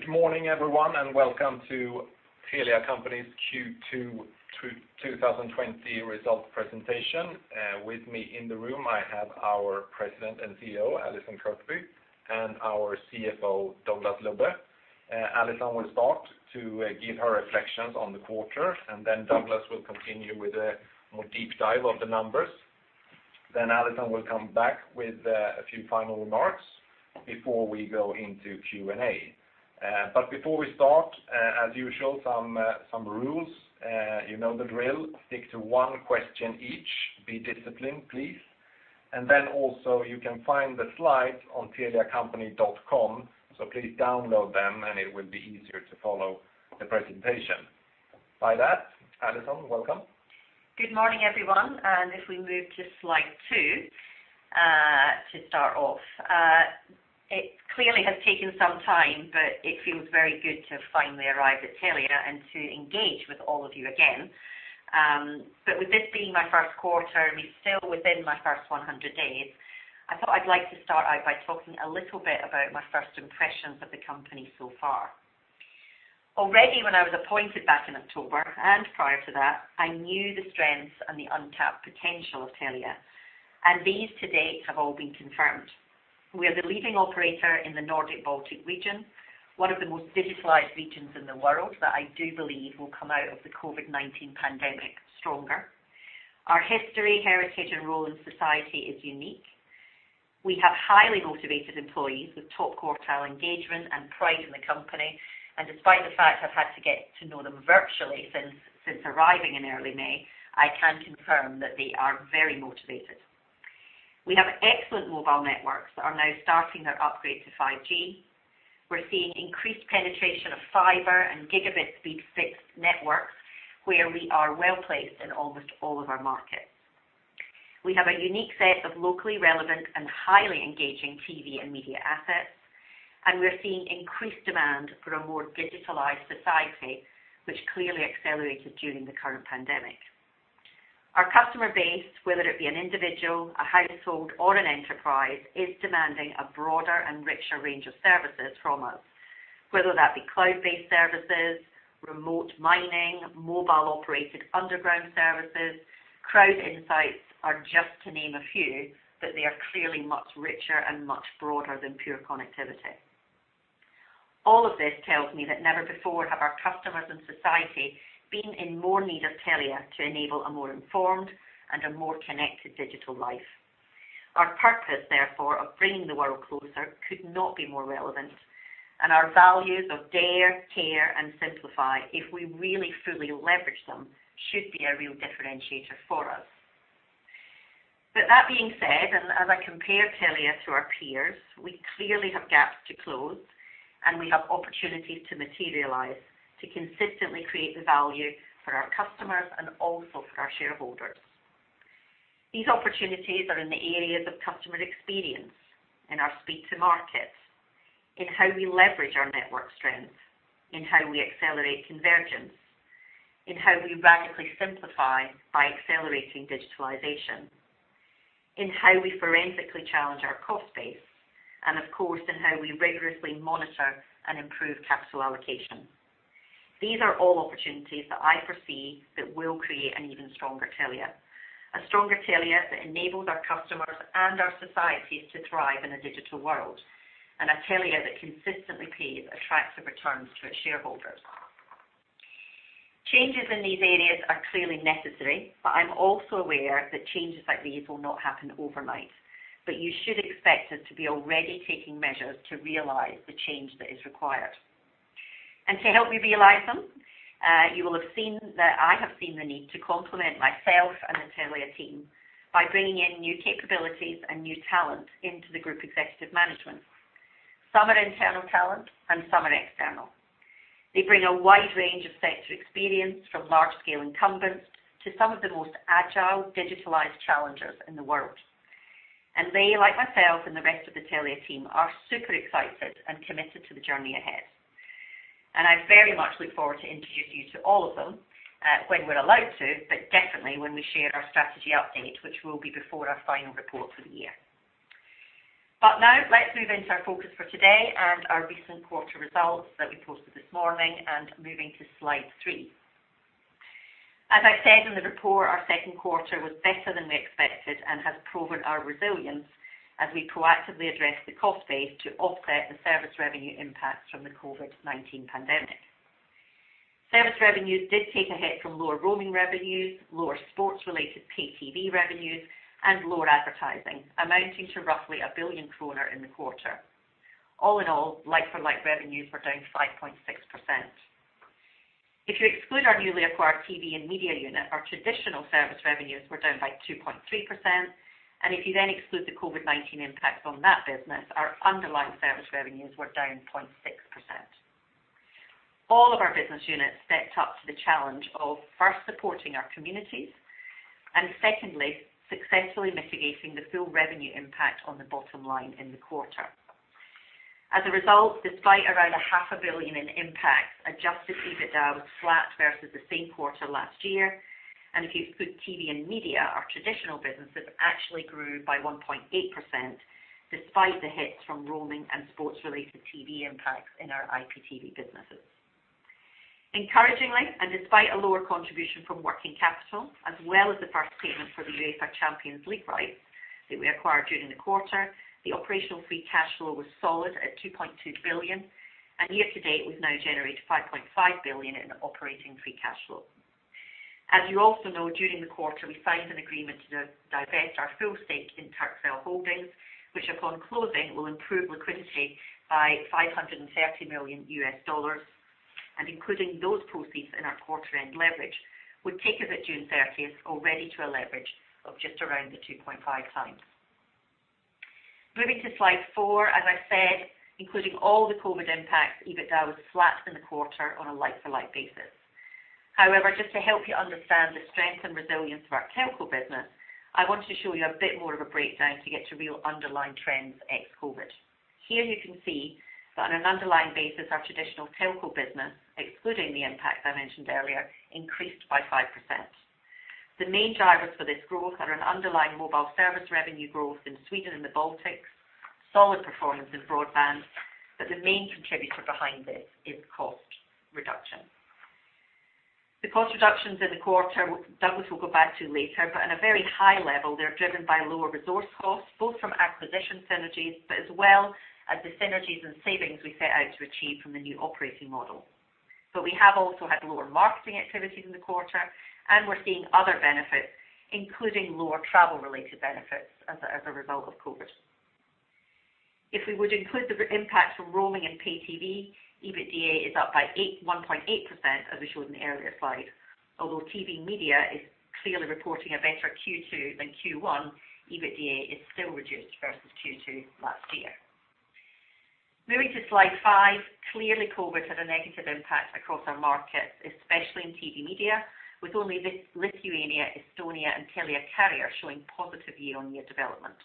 Good morning everyone, welcome to Telia Company's Q2 2020 results presentation. With me in the room, I have our President and CEO, Allison Kirkby, and our CFO, Douglas Lubbe. Allison will start to give her reflections on the quarter. Douglas will continue with a more deep dive of the numbers. Allison will come back with a few final remarks before we go into Q&A. Before we start, as usual, some rules. You know the drill. Stick to one question each. Be disciplined, please. Also you can find the slides on teliacompany.com. Please download them and it will be easier to follow the presentation. By that, Allison, welcome. Good morning, everyone. If we move to slide two to start off. It clearly has taken some time, but it feels very good to have finally arrived at Telia and to engage with all of you again. With this being my first quarter and me still within my first 100 days, I thought I'd like to start out by talking a little bit about my first impressions of the company so far. Already when I was appointed back in October, and prior to that, I knew the strengths and the untapped potential of Telia, and these to date have all been confirmed. We are the leading operator in the Nordic Baltic region, one of the most digitalized regions in the world that I do believe will come out of the COVID-19 pandemic stronger. Our history, heritage, and role in society is unique. We have highly motivated employees with top quartile engagement and pride in the company. Despite the fact I've had to get to know them virtually since arriving in early May, I can confirm that they are very motivated. We have excellent mobile networks that are now starting their upgrade to 5G. We're seeing increased penetration of fiber and gigabit speed fixed networks, where we are well-placed in almost all of our markets. We have a unique set of locally relevant and highly engaging TV and media assets. We're seeing increased demand for a more digitalized society, which clearly accelerated during the current pandemic. Our customer base, whether it be an individual, a household, or an enterprise, is demanding a broader and richer range of services from us. Whether that be cloud-based services, remote mining, mobile-operated underground services, crowd insights are just to name a few. They are clearly much richer and much broader than pure connectivity. All of this tells me that never before have our customers and society been in more need of Telia to enable a more informed and a more connected digital life. Our purpose, therefore, of bringing the world closer could not be more relevant, and our values of dare, care, and simplify, if we really fully leverage them, should be a real differentiator for us. That being said, as I compare Telia to our peers, we clearly have gaps to close, and we have opportunities to materialize to consistently create the value for our customers and also for our shareholders. These opportunities are in the areas of customer experience, in our speed to market, in how we leverage our network strengths, in how we accelerate convergence, in how we radically simplify by accelerating digitalization, in how we forensically challenge our cost base, and of course, in how we rigorously monitor and improve capital allocation. These are all opportunities that I foresee that will create an even stronger Telia. A stronger Telia that enables our customers and our societies to thrive in a digital world, and a Telia that consistently pays attractive returns to its shareholders. Changes in these areas are clearly necessary, I'm also aware that changes like these will not happen overnight. You should expect us to be already taking measures to realize the change that is required. To help me realize them, you will have seen that I have seen the need to complement myself and the Telia team by bringing in new capabilities and new talent into the Group Executive Management. Some are internal talent and some are external. They bring a wide range of sector experience from large-scale incumbents to some of the most agile, digitalized challengers in the world. They, like myself and the rest of the Telia team, are super excited and committed to the journey ahead. I very much look forward to introduce you to all of them, when we are allowed to, but definitely when we share our strategy update, which will be before our final report for the year. Now, let us move into our focus for today and our recent quarter results that we posted this morning, moving to slide three. As I said in the report, our second quarter was better than we expected and has proven our resilience as we proactively address the cost base to offset the service revenue impact from the COVID-19 pandemic. Service revenues did take a hit from lower roaming revenues, lower sports-related pay TV revenues, and lower advertising, amounting to roughly 1 billion kronor in the quarter. All in all, like-for-like revenues were down 5.6%. If you exclude our newly acquired TV and Media unit, our traditional service revenues were down by 2.3%, and if you then exclude the COVID-19 impact on that business, our underlying service revenues were down 0.6%. All of our business units stepped up to the challenge of first supporting our communities, and secondly, successfully mitigating the full revenue impact on the bottom line in the quarter. As a result, despite around a half a billion in impact, adjusted EBITDA was flat versus the same quarter last year. If you exclude TV and Media, our traditional businesses actually grew by 1.8%, despite the hits from roaming and sports-related TV impacts in our IPTV businesses. Encouragingly, despite a lower contribution from working capital, as well as the first payment for the UEFA Champions League rights that we acquired during the quarter, the operational free cash flow was solid at 2.2 billion. Year to date, we've now generated 5.5 billion in operating free cash flow. As you also know, during the quarter, we signed an agreement to divest our full stake in Turkcell Holding, which upon closing, will improve liquidity by $530 million. Including those proceeds in our quarter-end leverage would take us at June 30th already to a leverage of just around the 2.5 times. Moving to slide four, as I said, including all the COVID impacts, EBITDA was flat in the quarter on a like-for-like basis. However, just to help you understand the strength and resilience of our telco business, I want to show you a bit more of a breakdown to get to real underlying trends ex-COVID. Here you can see that on an underlying basis, our traditional telco business, excluding the impacts I mentioned earlier, increased by 5%. The main drivers for this growth are an underlying mobile service revenue growth in Sweden and the Baltics, solid performance in broadband, but the main contributor behind this is cost reduction. The cost reductions in the quarter, Douglas will go back to later, on a very high level, they're driven by lower resource costs, both from acquisition synergies, as well as the synergies and savings we set out to achieve from the new operating model. We have also had lower marketing activities in the quarter, and we're seeing other benefits, including lower travel-related benefits as a result of COVID. If we would include the impact from roaming and pay TV, EBITDA is up by 1.8% as we showed in the earlier slide. Although TV Media is clearly reporting a better Q2 than Q1, EBITDA is still reduced versus Q2 last year. Moving to slide five, clearly COVID had a negative impact across our markets, especially in TV Media, with only Lithuania, Estonia, and Telia Carrier showing positive year-on-year development.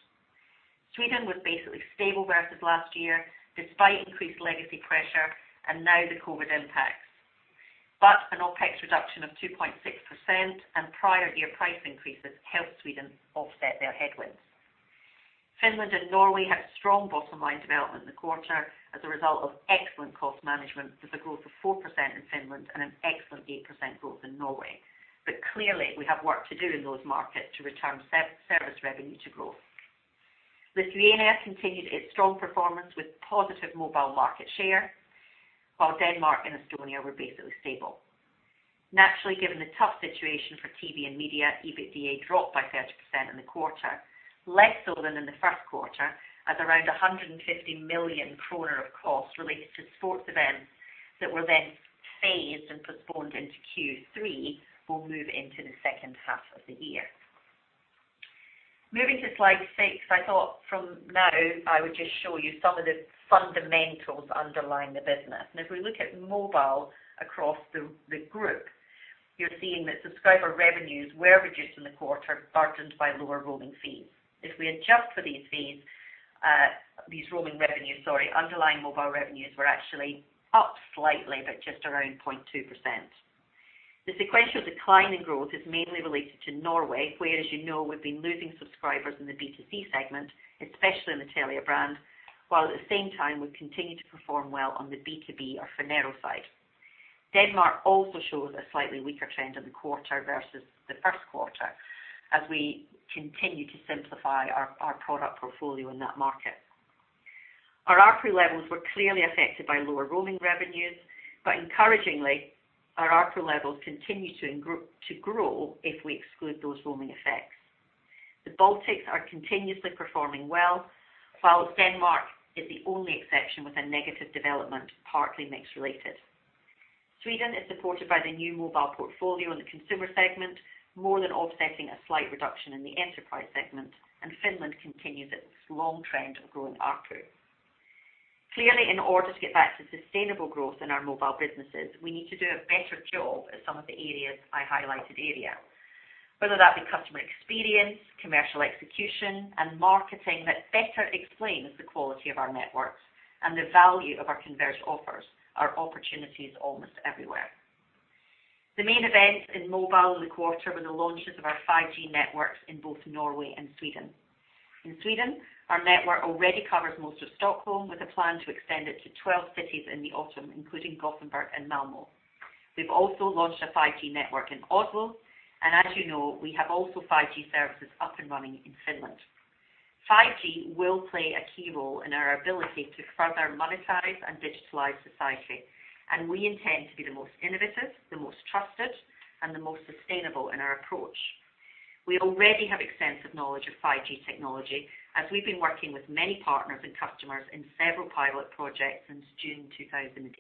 Sweden was basically stable versus last year, despite increased legacy pressure and now the COVID impacts. An OpEx reduction of 2.6% and prior year price increases helped Sweden offset their headwinds. Finland and Norway had strong bottom line development in the quarter as a result of excellent cost management, with a growth of 4% in Finland and an excellent 8% growth in Norway. Clearly, we have work to do in those markets to return service revenue to growth. Lithuania continued its strong performance with positive mobile market share, while Denmark and Estonia were basically stable. Naturally, given the tough situation for TV and Media, EBITDA dropped by 30% in the quarter, less so than in the first quarter, as around 150 million kronor of costs related to sports events that were then phased and postponed into Q3 will move into the second half of the year. Moving to slide six, I thought from now I would just show you some of the fundamentals underlying the business. If we look at mobile across the group, you're seeing that subscriber revenues were reduced in the quarter, burdened by lower roaming fees. If we adjust for these roaming revenues, underlying mobile revenues were actually up slightly, but just around 0.2%. The sequential decline in growth is mainly related to Norway, where, as you know, we've been losing subscribers in the B2C segment, especially in the Telia brand, while at the same time we continue to perform well on the B2B or Phonero side. Denmark also shows a slightly weaker trend in the quarter versus the first quarter as we continue to simplify our product portfolio in that market. Our ARPU levels were clearly affected by lower roaming revenues. Encouragingly, our ARPU levels continue to grow if we exclude those roaming effects. The Baltics are continuously performing well, while Denmark is the only exception with a negative development, partly mix related. Sweden is supported by the new mobile portfolio in the consumer segment, more than offsetting a slight reduction in the enterprise segment. Finland continues its long trend of growing ARPU. Clearly, in order to get back to sustainable growth in our mobile businesses, we need to do a better job at some of the areas I highlighted earlier. Whether that be customer experience, commercial execution, and marketing that better explains the quality of our networks and the value of our converged offers are opportunities almost everywhere. The main events in mobile in the quarter were the launches of our 5G networks in both Norway and Sweden. In Sweden, our network already covers most of Stockholm, with a plan to extend it to 12 cities in the autumn, including Gothenburg and Malmö. We've also launched a 5G network in Oslo, and as you know, we have also 5G services up and running in Finland. 5G will play a key role in our ability to further monetize and digitalize society, we intend to be the most innovative, the most trusted, and the most sustainable in our approach. We already have extensive knowledge of 5G technology, as we've been working with many partners and customers in several pilot projects since June 2018.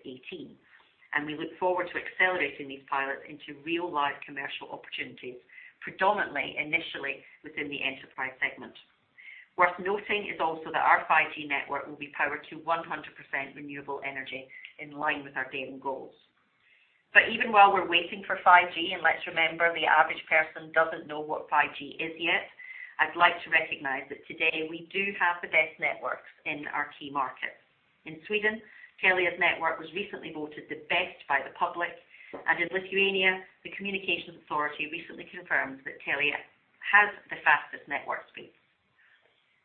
We look forward to accelerating these pilots into real live commercial opportunities, predominantly initially within the enterprise segment. Worth noting is also that our 5G network will be powered to 100% renewable energy in line with our day-end goals. Even while we're waiting for 5G, and let's remember, the average person doesn't know what 5G is yet. I'd like to recognize that today we do have the best networks in our key markets. In Sweden, Telia's network was recently voted the best by the public, and in Lithuania, the communications authority recently confirmed that Telia has the fastest network speeds.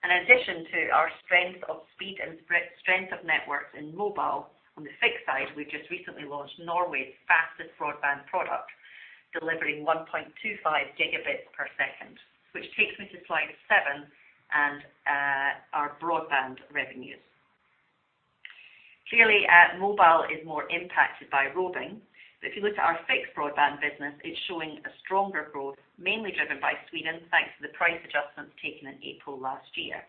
In addition to our strength of speed and strength of networks in mobile, on the fixed side, we just recently launched Norway's fastest broadband product, delivering 1.25 gigabits per second. This takes me to slide seven and our broadband revenues. Clearly, mobile is more impacted by roaming, but if you look at our fixed broadband business, it's showing a stronger growth, mainly driven by Sweden, thanks to the price adjustments taken in April last year.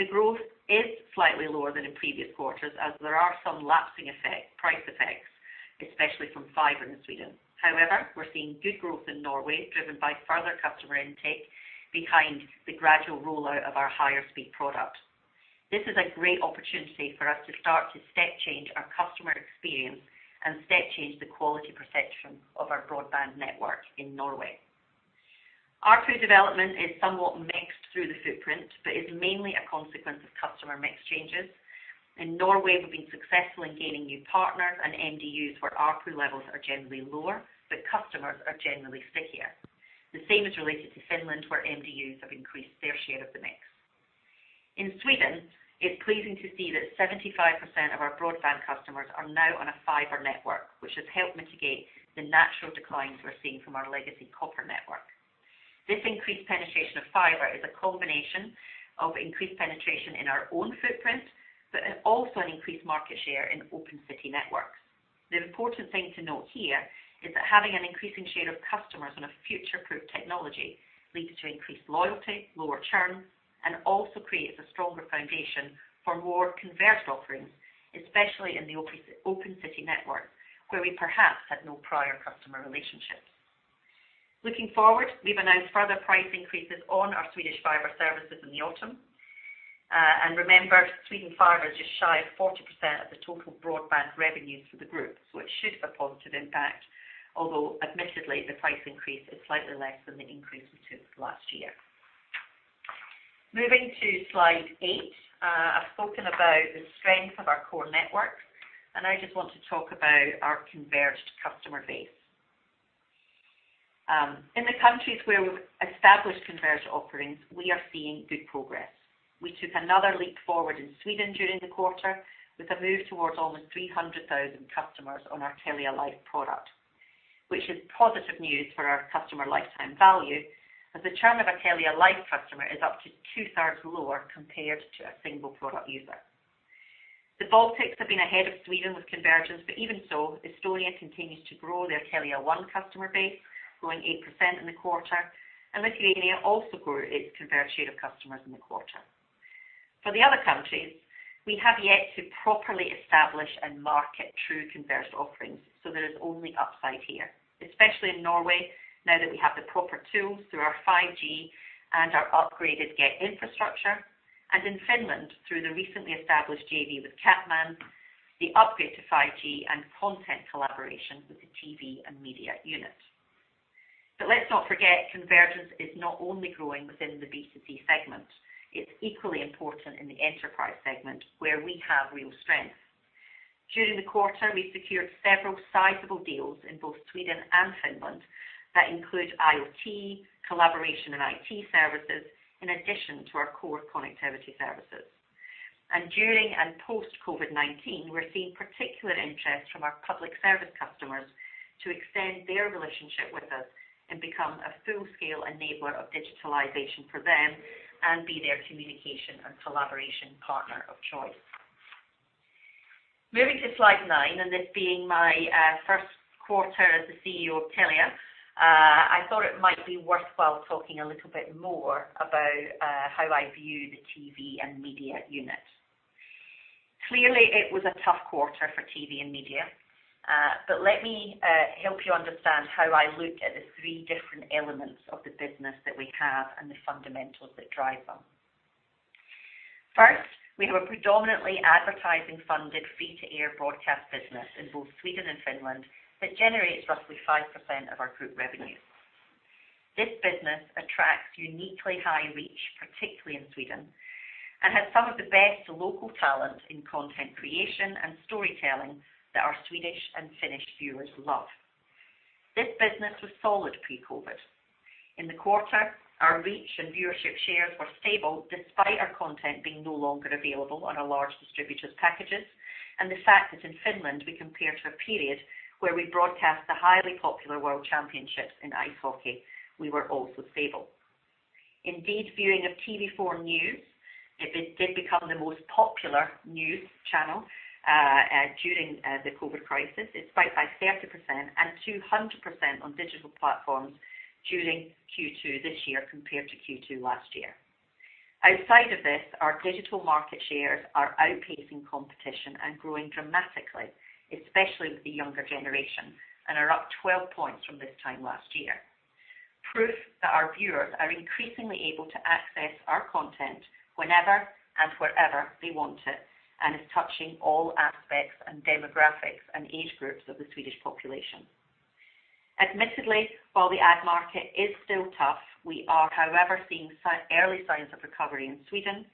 The growth is slightly lower than in previous quarters, as there are some lapsing price effects, especially from fiber in Sweden. However, we are seeing good growth in Norway, driven by further customer intake behind the gradual rollout of our higher speed product. This is a great opportunity for us to start to step change our customer experience and step change the quality perception of our broadband network in Norway. ARPU development is somewhat mixed through the footprint but is mainly a consequence of customer mix changes. In Norway, we have been successful in gaining new partners and MDUs where ARPU levels are generally lower, but customers are generally stickier. The same is related to Finland, where MDUs have increased their share of the mix. In Sweden, it's pleasing to see that 75% of our broadband customers are now on a fiber network, which has helped mitigate the natural declines we're seeing from our legacy copper network. This increased penetration of fiber is a combination of increased penetration in our own footprint, but also an increased market share in open city networks. The important thing to note here is that having an increasing share of customers on a future-proof technology leads to increased loyalty, lower churn, and also creates a stronger foundation for more converged offerings, especially in the open city network, where we perhaps had no prior customer relationships. Looking forward, we've announced further price increases on our Swedish fiber services in the autumn. Remember, Sweden fiber is just shy of 40% of the total broadband revenues for the group, so it should have a positive impact, although admittedly, the price increase is slightly less than the increase we took last year. Moving to slide eight. I've spoken about the strength of our core networks, I just want to talk about our converged customer base. In the countries where we've established converged offerings, we are seeing good progress. We took another leap forward in Sweden during the quarter with a move towards almost 300,000 customers on our Telia Life product, which is positive news for our customer lifetime value, as the churn of a Telia Life customer is up to two-thirds lower compared to a single product user. The Baltics have been ahead of Sweden with convergence, but even so, Estonia continues to grow their Telia One customer base, growing 8% in the quarter, and Lithuania also grew its converged share of customers in the quarter. For the other countries, we have yet to properly establish and market true converged offerings. There is only upside here, especially in Norway, now that we have the proper tools through our 5G and our upgraded Get infrastructure, and in Finland through the recently established JV with CapMan, the upgrade to 5G, and content collaboration with the TV and media unit. Let's not forget, convergence is not only growing within the B2C segment. It's equally important in the enterprise segment where we have real strength. During the quarter, we secured several sizable deals in both Sweden and Finland that include IoT, collaboration and IT services, in addition to our core connectivity services. During and post-COVID-19, we're seeing particular interest from our public service customers to extend their relationship with us and become a full-scale enabler of digitalization for them and be their communication and collaboration partner of choice. Moving to slide nine, this being my first quarter as the CEO of Telia, I thought it might be worthwhile talking a little bit more about how I view the TV and Media unit. Clearly, it was a tough quarter for TV and Media. Let me help you understand how I look at the three different elements of the business that we have and the fundamentals that drive them. First, we have a predominantly advertising-funded, free-to-air broadcast business in both Sweden and Finland that generates roughly 5% of our group revenue. This business attracts uniquely high reach, particularly in Sweden, and has some of the best local talent in content creation and storytelling that our Swedish and Finnish viewers love. This business was solid pre-COVID. In the quarter, our reach and viewership shares were stable despite our content being no longer available on a large distributor's packages and the fact that in Finland we compare to a period where we broadcast the highly popular world championships in ice hockey. We were also stable. Indeed, viewing of TV4 News, it did become the most popular news channel during the COVID crisis. It spiked by 30% and 200% on digital platforms during Q2 this year compared to Q2 last year. Outside of this, our digital market shares are outpacing competition and growing dramatically, especially with the younger generation, and are up 12 points from this time last year. Proof that our viewers are increasingly able to access our content whenever and wherever they want it and is touching all aspects and demographics and age groups of the Swedish population. Admittedly, while the ad market is still tough, we are, however, seeing early signs of recovery in Sweden.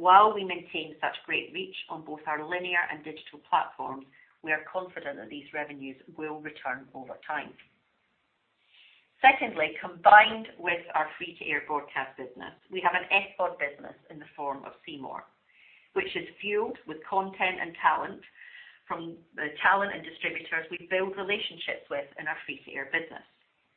While we maintain such great reach on both our linear and digital platforms, we are confident that these revenues will return over time. Secondly, combined with our free-to-air broadcast business, we have an SVOD business in the form of C More, which is fueled with content and talent from the talent and distributors we build relationships with in our free-to-air business,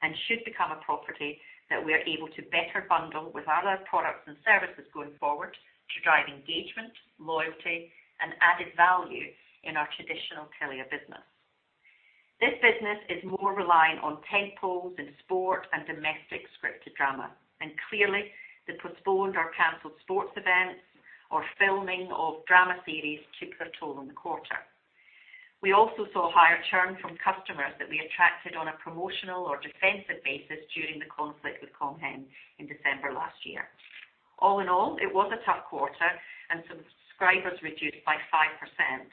and should become a property that we are able to better bundle with our products and services going forward to drive engagement, loyalty, and added value in our traditional Telia business. This business is more reliant on tent poles in sport and domestic scripted drama. Clearly, the postponed or canceled sports events or filming of drama series took their toll in the quarter. We also saw higher churn from customers that we attracted on a promotional or defensive basis during the conflict with Com Hem in December last year. All in all, it was a tough quarter, and subscribers reduced by 5%.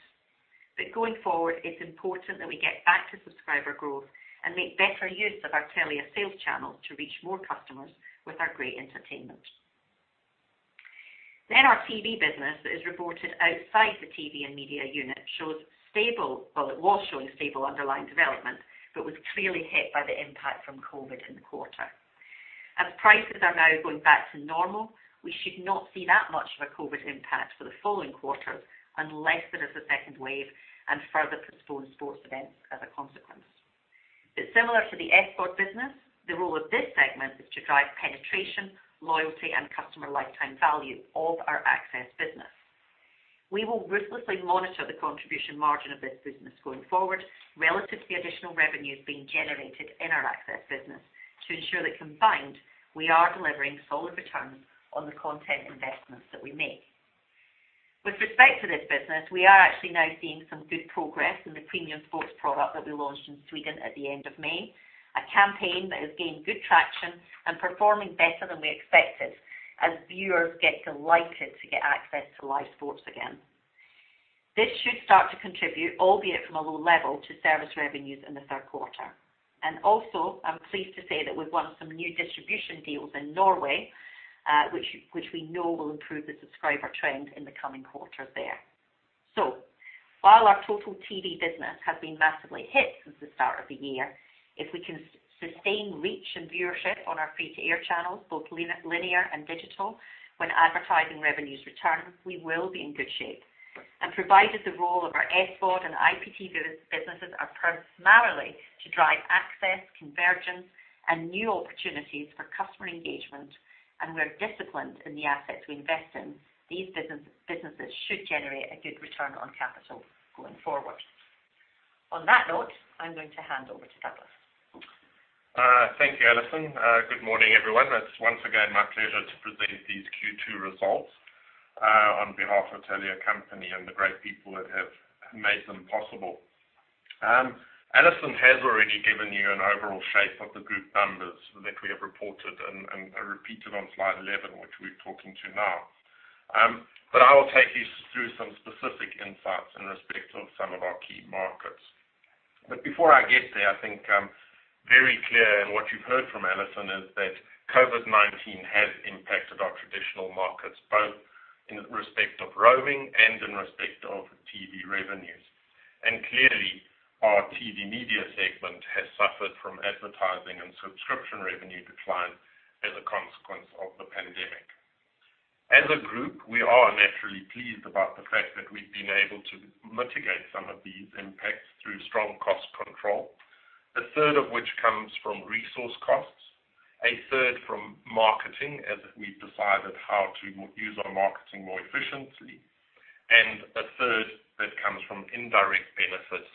Going forward, it's important that we get back to subscriber growth and make better use of our Telia sales channel to reach more customers with our great entertainment. Our TV business that is reported outside the TV and Media unit, well, it was showing stable underlying development, but was clearly hit by the impact from COVID in the quarter. As prices are now going back to normal, we should not see that much of a COVID impact for the following quarters, unless there is a second wave and further postponed sports events as a consequence. Similar to the SVOD business, the role of this segment is to drive penetration, loyalty, and customer lifetime value of our access business. We will ruthlessly monitor the contribution margin of this business going forward relative to the additional revenues being generated in our access business to ensure that combined, we are delivering solid returns on the content investments that we make. With respect to this business, we are actually now seeing some good progress in the premium sports product that we launched in Sweden at the end of May, a campaign that has gained good traction and performing better than we expected as viewers get delighted to get access to live sports again. This should start to contribute, albeit from a low level, to service revenues in the third quarter. Also, I'm pleased to say that we've won some new distribution deals in Norway, which we know will improve the subscriber trend in the coming quarters there. While our total TV business has been massively hit since the start of the year, if we can sustain reach and viewership on our free-to-air channels, both linear and digital, when advertising revenues return, we will be in good shape. Provided the role of our SVOD and IPTV businesses are primarily to drive access, convergence, and new opportunities for customer engagement, and we are disciplined in the assets we invest in, these businesses should generate a good return on capital going forward. On that note, I'm going to hand over to Douglas. Thank you, Allison. Good morning, everyone. It's once again my pleasure to present these Q2 results on behalf of Telia Company and the great people that have made them possible. Allison has already given you an overall shape of the group numbers that we have reported and are repeated on slide 11, which we're talking to now. I will take you through some specific insights in respect of some of our key markets. Before I get there, I think very clear in what you've heard from Allison is that COVID-19 has impacted our traditional markets, both in respect of roaming and in respect of TV revenues. Clearly, our TV Media segment has suffered from advertising and subscription revenue decline as a consequence of the pandemic. As a group, we are naturally pleased about the fact that we've been able to mitigate some of these impacts through strong cost control. A third of which comes from resource costs, a third from marketing as we've decided how to use our marketing more efficiently, and a third that comes from indirect benefits,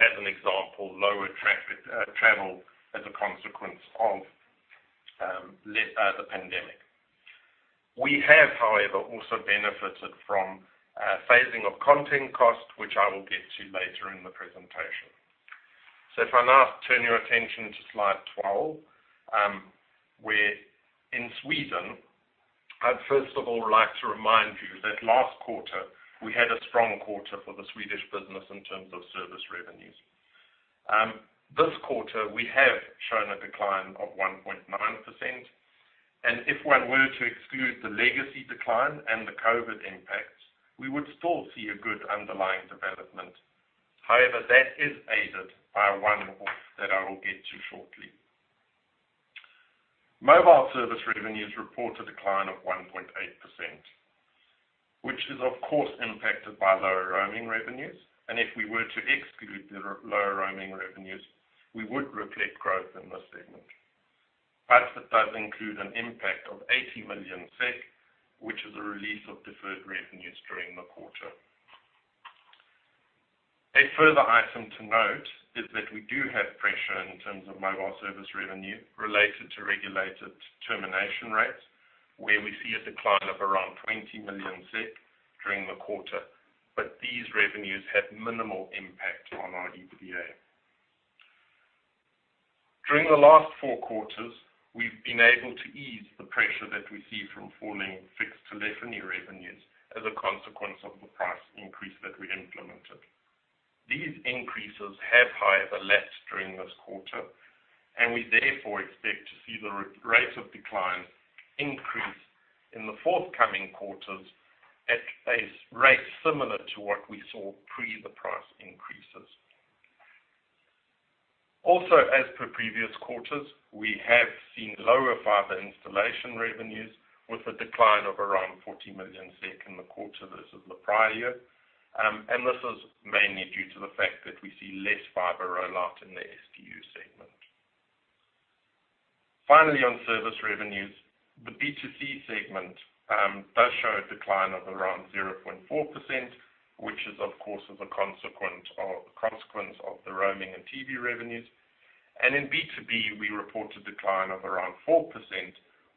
as an example, lower travel as a consequence of the pandemic. We have, however, also benefited from phasing of content cost, which I will get to later in the presentation. If I now turn your attention to slide 12, where in Sweden, I'd first of all like to remind you that last quarter, we had a strong quarter for the Swedish business in terms of service revenues. This quarter, we have shown a decline of 1.9%. If one were to exclude the legacy decline and the COVID-19 impact, we would still see a good underlying development. However, that is aided by a one-off that I will get to shortly. Mobile service revenues report a decline of 1.8%, which is, of course, impacted by lower roaming revenues. If we were to exclude the lower roaming revenues, we would reflect growth in this segment. It does include an impact of 80 million SEK, which is a release of deferred revenues during the quarter. A further item to note is that we do have pressure in terms of mobile service revenue related to regulated termination rates, where we see a decline of around 20 million during the quarter, but these revenues had minimal impact on our EBITDA.During the last four quarters, we've been able to ease the pressure that we see from falling fixed telephony revenues as a consequence of the price increase that we implemented. These increases have, however, lapsed during this quarter, and we therefore expect to see the rate of decline increase in the forthcoming quarters at a rate similar to what we saw pre the price increases. Also, as per previous quarters, we have seen lower fiber installation revenues, with a decline of around 40 million SEK in the quarter versus the prior year. This is mainly due to the fact that we see less fiber rollout in the SDU segment. Finally, on service revenues, the B2C segment does show a decline of around 0.4%, which is, of course, as a consequence of the roaming and TV revenues. In B2B, we report a decline of around 4%,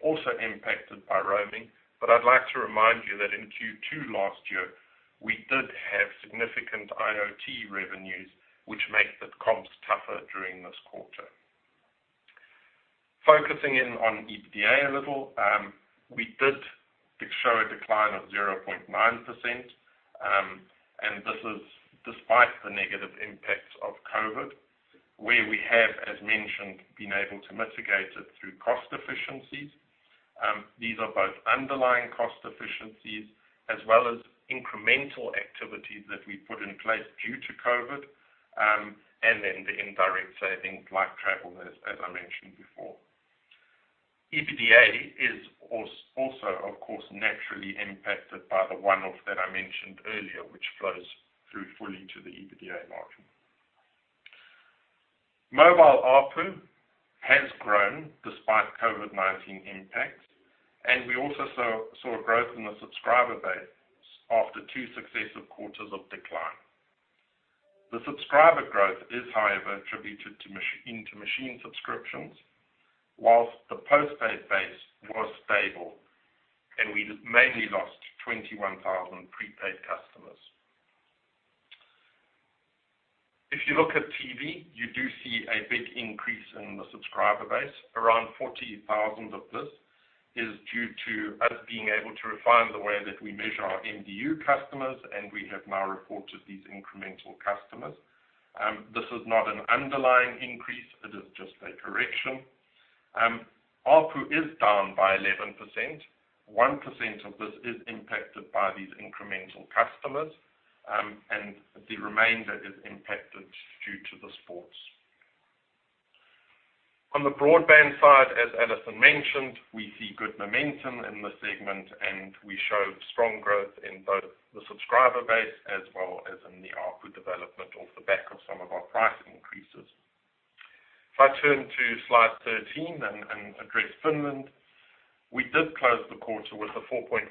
also impacted by roaming. I'd like to remind you that in Q2 last year, we did have significant IoT revenues, which make the comps tougher during this quarter. Focusing in on EBITDA a little, we did show a decline of 0.9%, and this is despite the negative impacts of COVID, where we have, as mentioned, been able to mitigate it through cost efficiencies. These are both underlying cost efficiencies as well as incremental activities that we put in place due to COVID, and then the indirect savings like travel, as I mentioned before. EBITDA is also, of course, naturally impacted by the one-off that I mentioned earlier, which flows through fully to the EBITDA margin. We also saw growth in the subscriber base after two successive quarters of decline. The subscriber growth is, however, attributed into machine subscriptions, whilst the postpaid base was stable, and we mainly lost 21,000 prepaid customers. If you look at TV, you do see a big increase in the subscriber base. Around 40,000 of this is due to us being able to refine the way that we measure our MDU customers, and we have now reported these incremental customers. This is not an underlying increase. It is just a correction. ARPU is down by 11%. 1% of this is impacted by these incremental customers, and the remainder is impacted due to the sports. On the broadband side, as Allison mentioned, we see good momentum in the segment, and we show strong growth in both the subscriber base as well as in the ARPU development off the back of some of our price increases. If I turn to slide 13 and address Finland, we did close the quarter with a 4.1%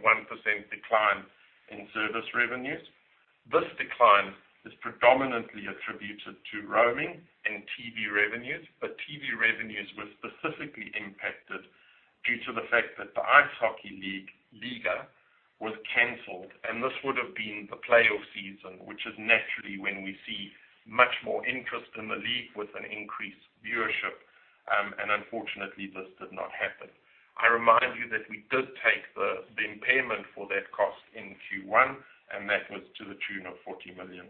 decline in service revenues. TV revenues were specifically impacted due to the fact that the ice hockey league, Liiga, was canceled, and this would have been the playoff season, which is naturally when we see much more interest in the league with an increased viewership, and unfortunately, this did not happen. I remind you that we did take the impairment for that cost in Q1, and that was to the tune of 40 million.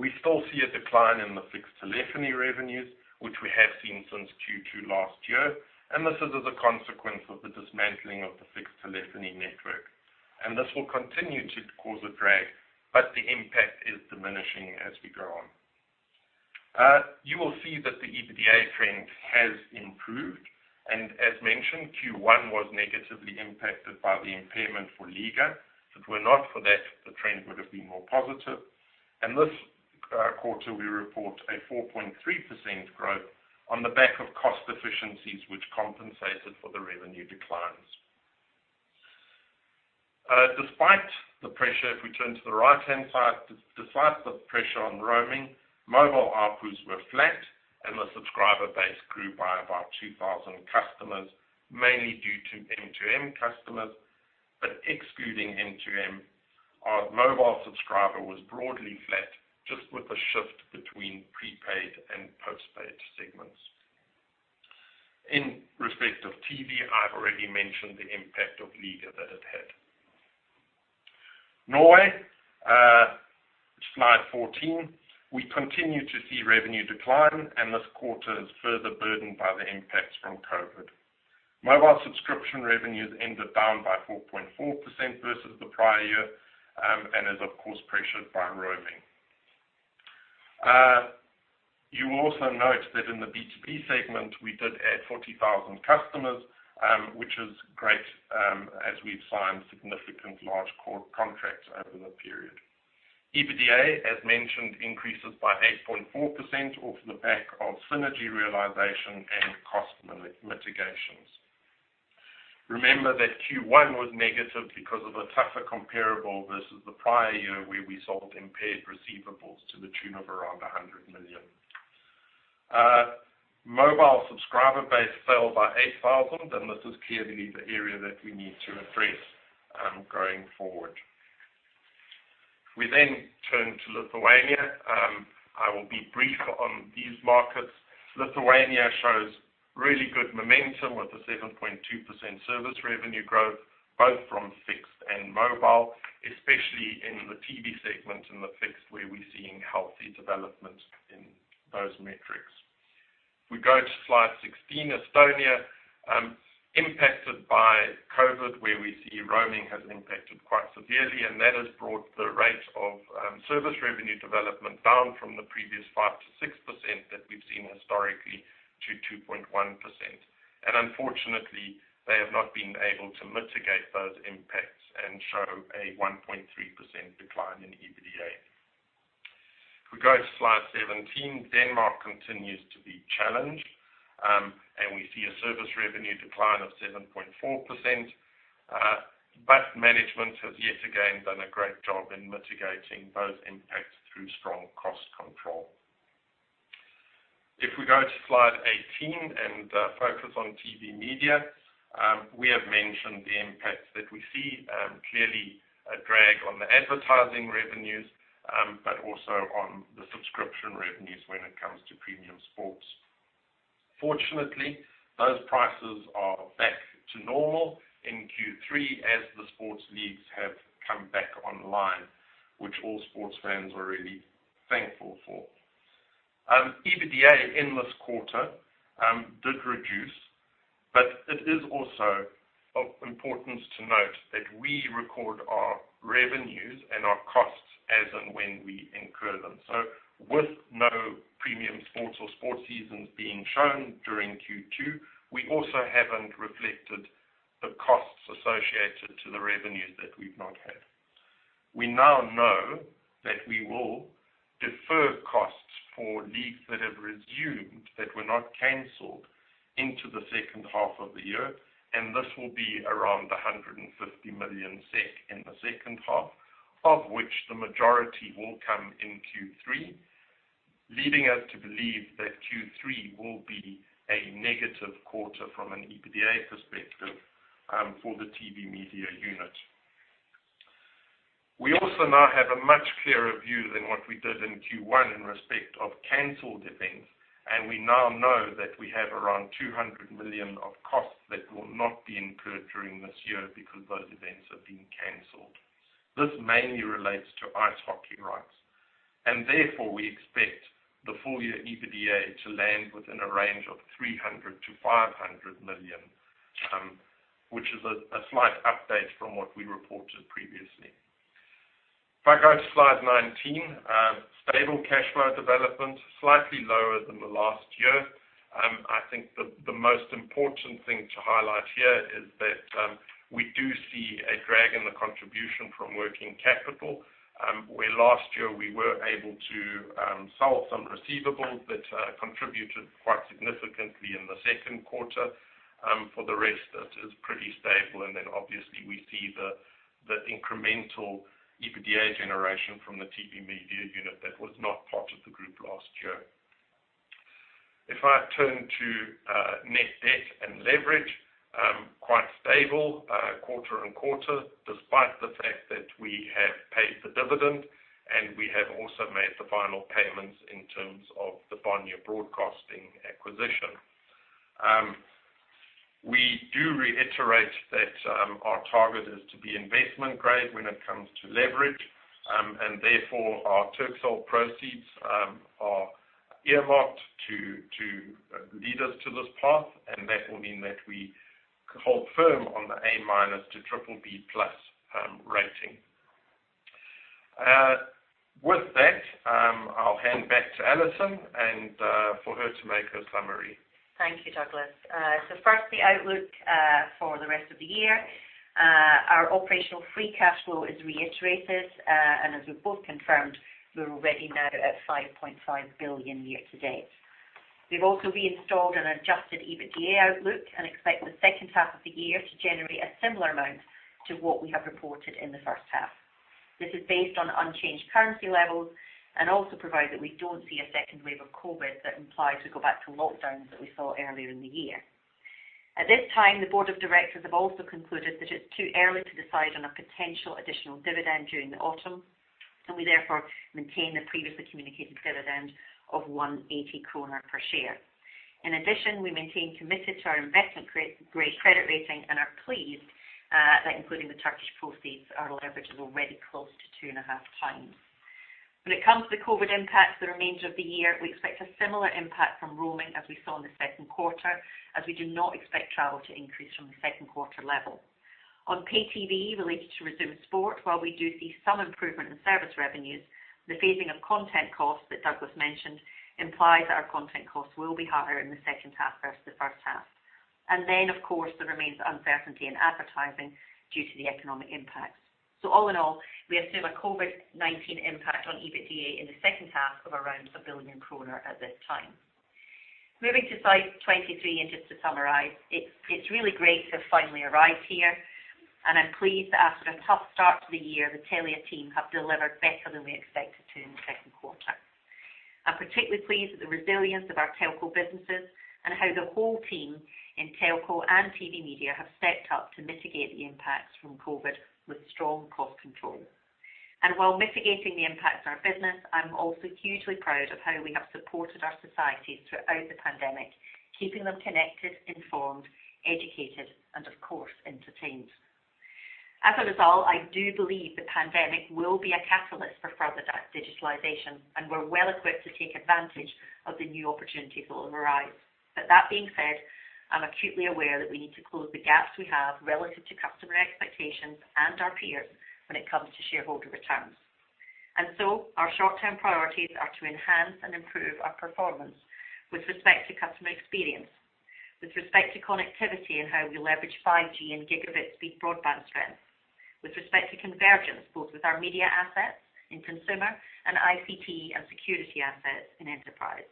We still see a decline in the fixed telephony revenues, which we have seen since Q2 last year. This is as a consequence of the dismantling of the fixed telephony network. This will continue to cause a drag, the impact is diminishing as we go on. You will see that the EBITDA trend has improved. As mentioned, Q1 was negatively impacted by the impairment for Liiga. If it were not for that, the trend would have been more positive. In this quarter, we report a 4.3% growth on the back of cost efficiencies, which compensated for the revenue declines. If we turn to the right-hand side, despite the pressure on roaming, mobile ARPUs were flat and the subscriber base grew by about 2,000 customers, mainly due to M2M customers. Excluding M2M, our mobile subscriber was broadly flat, just with a shift between prepaid and postpaid segments. In respect of TV, I've already mentioned the impact of Liiga that it had. Norway, slide 14. We continue to see revenue decline, this quarter is further burdened by the impacts from COVID. Mobile subscription revenues ended down by 4.4% versus the prior year, is of course pressured by roaming. You will also note that in the B2B segment, we did add 40,000 customers, which is great, as we've signed significant large core contracts over the period. EBITDA, as mentioned, increases by 8.4% off the back of synergy realization and cost mitigations. Remember that Q1 was negative because of a tougher comparable versus the prior year where we sold impaired receivables to the tune of around 100 million. Mobile subscriber base fell by 8,000, and this is clearly the area that we need to address going forward. We turn to Lithuania. I will be brief on these markets. Lithuania shows really good momentum with a 7.2% service revenue growth, both from fixed and mobile, especially in the TV segment and the fixed, where we're seeing healthy development in those metrics. If we go to slide 16, Estonia impacted by COVID, where we see roaming has been impacted quite severely, and that has brought the rate of service revenue development down from the previous 5%-6% that we've seen historically to 2.1%. Unfortunately, they have not been able to mitigate those impacts and show a 1.3% decline in EBITDA. If we go to slide 17, Denmark continues to be challenged, and we see a service revenue decline of 7.4%. Management has yet again done a great job in mitigating those impacts through strong cost control. If we go to slide 18 and focus on TV Media, we have mentioned the impacts that we see clearly a drag on the advertising revenues, but also on the subscription revenues when it comes to premium sports. Fortunately, those prices are back to normal in Q3 as the sports leagues have come back online, which all sports fans are really thankful for. EBITDA in this quarter did reduce, but it is also of importance to note that we record our revenues and our costs as and when we incur them. With no premium sports or sports seasons being shown during Q2, we also haven't reflected the costs associated to the revenues that we've not had. We now know that we will defer costs for leagues that have resumed, that were not canceled into the second half of the year. This will be around 150 million SEK in the second half, of which the majority will come in Q3, leading us to believe that Q3 will be a negative quarter from an EBITDA perspective for the TV Media unit. We also now have a much clearer view than what we did in Q1 in respect of canceled events. We now know that we have around 200 million of costs that will not be incurred during this year because those events have been canceled. This mainly relates to ice hockey rights. Therefore, we expect the full year EBITDA to land within a range of 300 million-500 million, which is a slight update from what we reported previously. If I go to slide 19, stable cash flow development, slightly lower than the last year. I think the most important thing to highlight here is that we do see a drag in the contribution from working capital, where last year we were able to sell some receivables that contributed quite significantly in the second quarter. For the rest, that is pretty stable. Obviously, we see the incremental EBITDA generation from the TV Media unit that was not part of the group last year. If I turn to net debt and leverage, quite stable quarter-over-quarter, despite the fact that we have paid the dividend and we have also made the final payments in terms of the Bonnier Broadcasting acquisition. We do reiterate that our target is to be investment grade when it comes to leverage, and therefore our Turkcell proceeds are earmarked to lead us to this path, and that will mean that we hold firm on the A- to BBB+ rating. With that, I'll hand back to Allison for her to make her summary. Thank you, Douglas. First, the outlook for the rest of the year. Our operational free cash flow is reiterated, and as we've both confirmed, we're already now at 5.5 billion year to date. We've also reinstalled an adjusted EBITDA outlook and expect the second half of the year to generate a similar amount to what we have reported in the first half. This is based on unchanged currency levels and also provided that we don't see a second wave of COVID-19 that implies we go back to lockdowns that we saw earlier in the year. At this time, the board of directors have also concluded that it's too early to decide on a potential additional dividend during the autumn, and we, therefore, maintain the previously communicated dividend of 1.80 kronor per share. We maintain committed to our investment-grade credit rating and are pleased that including the Turkish proceeds, our leverage is already close to two and a half times. When it comes to the COVID impact for the remainder of the year, we expect a similar impact from roaming as we saw in the second quarter, as we do not expect travel to increase from the second quarter level. On pay TV related to resumed sport, while we do see some improvement in service revenues, the phasing of content costs that Douglas mentioned implies that our content costs will be higher in the second half versus the first half. Of course, there remains uncertainty in advertising due to the economic impacts. All in all, we assume a COVID-19 impact on EBITDA in the second half of around 1 billion kronor at this time. Moving to slide 23, just to summarize, it's really great to have finally arrived here. I'm pleased that after a tough start to the year, the Telia team have delivered better than we expected to in the second quarter. I'm particularly pleased with the resilience of our telco businesses and how the whole team in telco and TV Media have stepped up to mitigate the impacts from COVID with strong cost control. While mitigating the impacts on our business, I'm also hugely proud of how we have supported our societies throughout the pandemic, keeping them connected, informed, educated, and of course, entertained. As a result, I do believe the pandemic will be a catalyst for further digitalization, and we're well equipped to take advantage of the new opportunities that will arise. That being said, I'm acutely aware that we need to close the gaps we have relative to customer expectations and our peers when it comes to shareholder returns. Our short-term priorities are to enhance and improve our performance with respect to customer experience, with respect to connectivity and how we leverage 5G and gigabit speed broadband strengths, with respect to convergence, both with our media assets in consumer and ICT and security assets in enterprise.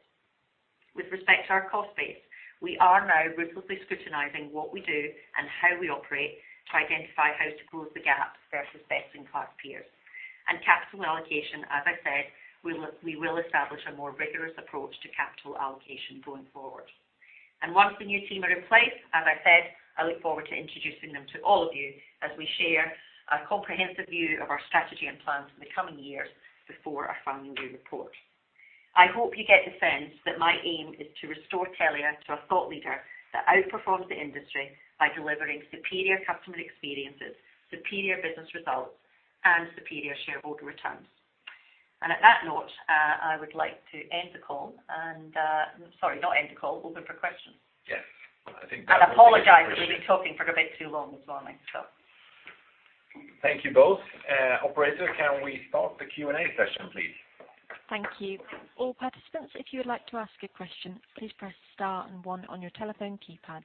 With respect to our cost base, we are now ruthlessly scrutinizing what we do and how we operate to identify how to close the gaps versus best-in-class peers. Capital allocation, as I said, we will establish a more rigorous approach to capital allocation going forward. Once the new team are in place, as I said, I look forward to introducing them to all of you as we share a comprehensive view of our strategy and plans for the coming years before our final new report. I hope you get the sense that my aim is to restore Telia to a thought leader that outperforms the industry by delivering superior customer experiences, superior business results, and superior shareholder returns. On that note, I would like to end the call. Sorry, not end the call. Open for questions. Yes. I think. I apologize as we've been talking for a bit too long this morning. Thank you both. Operator, can we start the Q&A session, please? Thank you. All participants, if you would like to ask a question, please press star and one on your telephone keypad.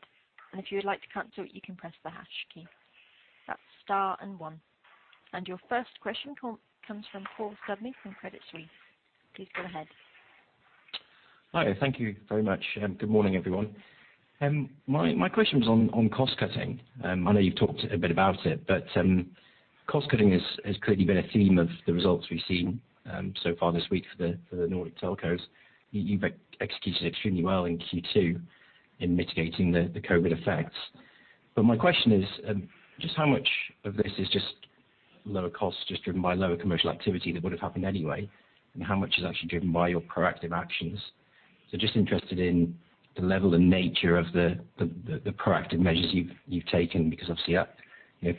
If you would like to cancel it, you can press the hash key. That's star and one. Your first question comes from Paul Sidney from Credit Suisse. Please go ahead. Hi. Thank you very much, and good morning, everyone. My question was on cost-cutting. I know you've talked a bit about it, cost-cutting has clearly been a theme of the results we've seen so far this week for the Nordic telcos. You've executed extremely well in Q2 in mitigating the COVID effects. My question is, just how much of this is just lower costs, just driven by lower commercial activity that would have happened anyway? How much is actually driven by your proactive actions? Just interested in the level and nature of the proactive measures you've taken, because obviously that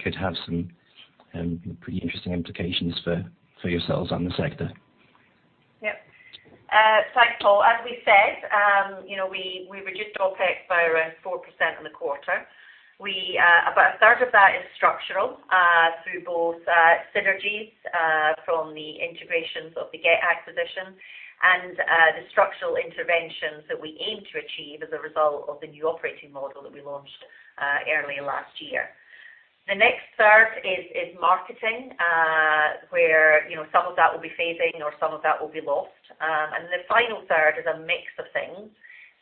could have some pretty interesting implications for yourselves and the sector. Thanks, Paul. As we said, we reduced OpEx by around 4% in the quarter. About a third of that is structural, through both synergies from the integrations of the Get acquisition and the structural interventions that we aim to achieve as a result of the new operating model that we launched early last year. The next third is marketing, where some of that will be phasing or some of that will be lost. The final third is a mix of things,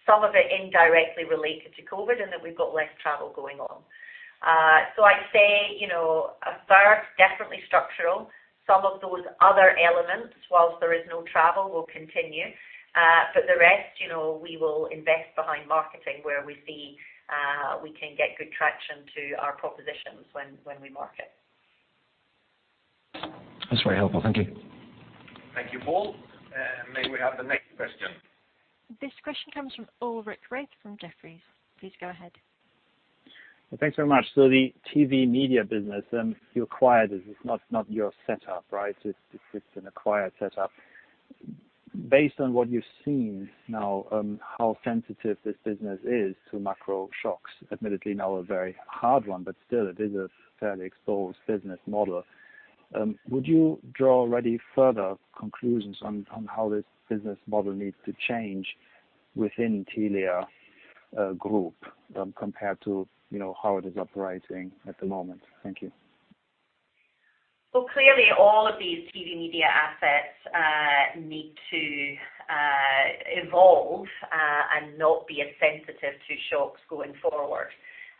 some of it indirectly related to COVID in that we've got less travel going on. I'd say, a third definitely structural. Some of those other elements, whilst there is no travel, will continue. For the rest, we will invest behind marketing where we see we can get good traction to our propositions when we market. That's very helpful. Thank you. Thank you, Paul. May we have the next question? This question comes from Ulrich Rathe from Jefferies. Please go ahead. Thanks very much. The TV and Media business, you acquired it. It's not your setup, right? It's an acquired setup. Based on what you've seen now, how sensitive this business is to macro shocks, admittedly now a very hard one, but still, it is a fairly exposed business model. Would you draw already further conclusions on how this business model needs to change within Telia Company compared to how it is operating at the moment? Thank you. Well, clearly, all of these TV Media assets need to evolve and not be as sensitive to shocks going forward.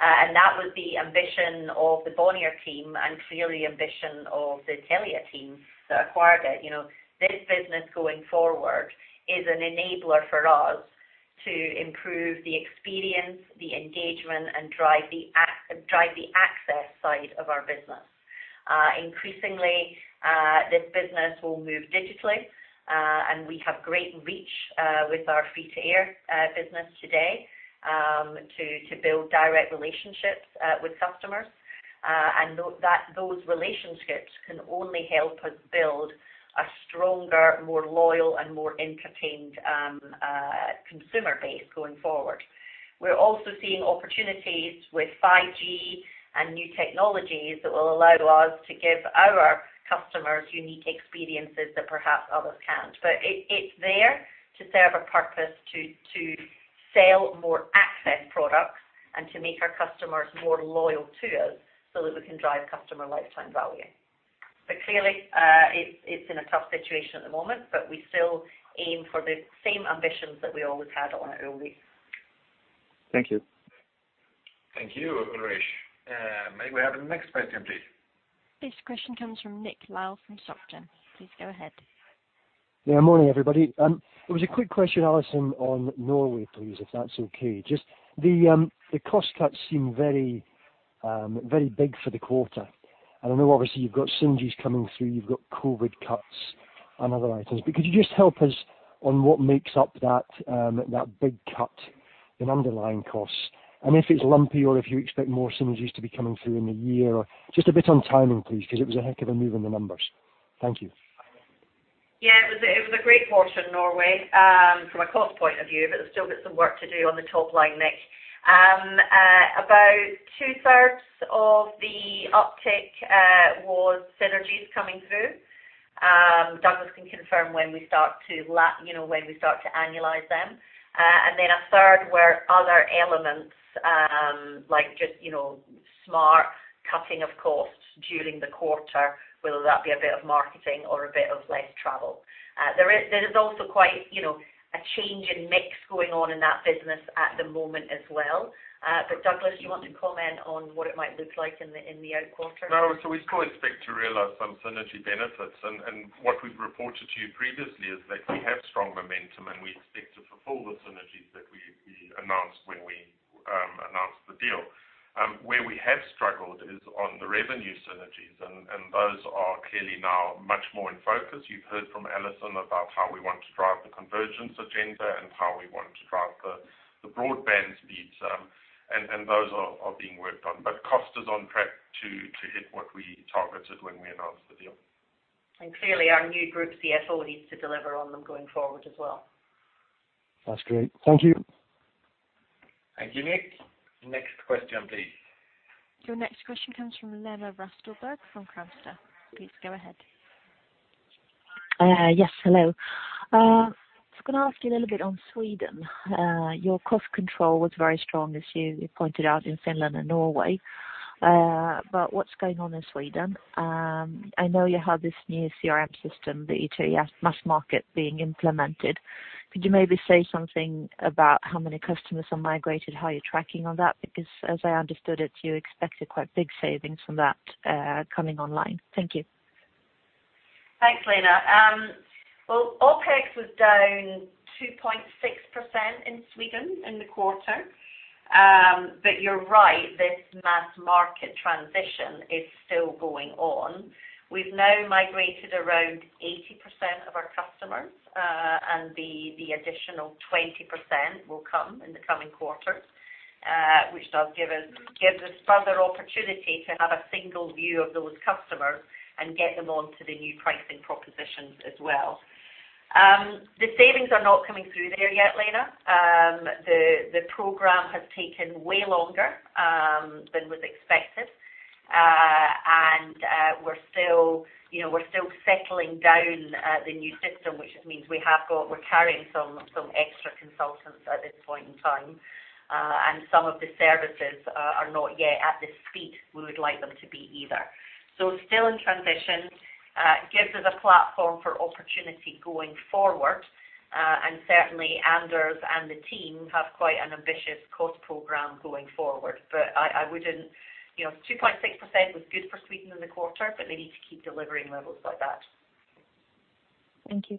That was the ambition of the Bonnier team and clearly ambition of the Telia team that acquired it. This business going forward is an enabler for us to improve the experience, the engagement, and drive the access side of our business. Increasingly, this business will move digitally. We have great reach with our free-to-air business today to build direct relationships with customers, and those relationships can only help us build a stronger, more loyal, and more entertained consumer base going forward. We're also seeing opportunities with 5G and new technologies that will allow us to give our customers unique experiences that perhaps others can't. It's there to serve a purpose to sell more access products and to make our customers more loyal to us so that we can drive customer lifetime value. Clearly, it's in a tough situation at the moment, but we still aim for the same ambitions that we always had on it earlier. Thank you. Thank you, Ulrich. May we have the next question, please? This question comes from Nick Lyall from Societe Generale. Please go ahead. Yeah. Morning, everybody. It was a quick question, Allison, on Norway, please, if that's okay. The cost cuts seem very big for the quarter. I know obviously you've got synergies coming through, you've got COVID cuts and other items. Could you just help us on what makes up that big cut in underlying costs? If it's lumpy or if you expect more synergies to be coming through in the year or just a bit on timing, please, because it was a heck of a move in the numbers. Thank you. Yeah, it was a great quarter in Norway, from a cost point of view, but there's still bit some work to do on the top line, Nick. About two-thirds of the uptick was synergies coming through. Douglas can confirm when we start to annualize them. A third were other elements, like just smart cutting of costs during the quarter, whether that be a bit of marketing or a bit of less travel. There is also quite a change in mix going on in that business at the moment as well. Douglas, you want to comment on what it might look like in the out quarter? We still expect to realize some synergy benefits. What we've reported to you previously is that we have strong momentum, and we expect to fulfill the synergies that we announced when we announced the deal. Where we have struggled is on the revenue synergies, and those are clearly now much more in focus. You've heard from Allison about how we want to drive the convergence agenda and how we want to drive the broadband speeds, and those are being worked on. Cost is on track to hit what we targeted when we announced the deal. Clearly, our new Group CFO needs to deliver on them going forward as well. That's great. Thank you. Thank you, Nick. Next question, please. Your next question comes from Lena Rastberg, from Carnegie. Please go ahead. Yes. Hello. I was going to ask you a little bit on Sweden. Your cost control was very strong, as you pointed out in Finland and Norway. What's going on in Sweden? I know you have this new CRM system, the Telia Mass Market, being implemented. Could you maybe say something about how many customers have migrated, how you're tracking on that? As I understood it, you expected quite big savings from that coming online. Thank you. Thanks, Lena. Well, OpEx was down 2.6% in Sweden in the quarter. You’re right, this Mass Market transition is still going on. We’ve now migrated around 80% of our customers, and the additional 20% will come in the coming quarters, which does give us further opportunity to have a single view of those customers and get them onto the new pricing propositions as well. The savings are not coming through there yet, Lena. The program has taken way longer than was expected. We’re still settling down the new system, which means we’re carrying some extra consultants at this point in time. Some of the services are not yet at the speed we would like them to be either. Still in transition. It gives us a platform for opportunity going forward. Certainly Anders and the team have quite an ambitious cost program going forward. 2.6% was good for Sweden in the quarter, but they need to keep delivering levels like that. Thank you.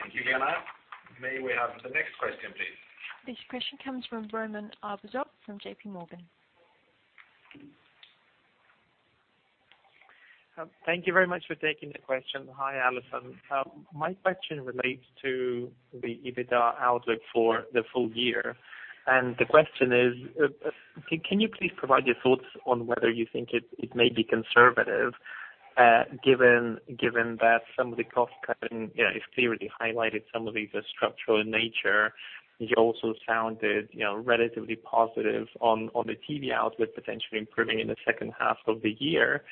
Thank you, Lena. May we have the next question, please? This question comes from Roman Arbuzov from J.P. Morgan. Thank you very much for taking the question. Hi, Allison. My question relates to the EBITDA outlook for the full year. The question is, can you please provide your thoughts on whether you think it may be conservative given that some of the cost cutting is clearly highlighted, some of these are structural in nature? You also sounded relatively positive on the TV outlook potentially improving in the second half of the year.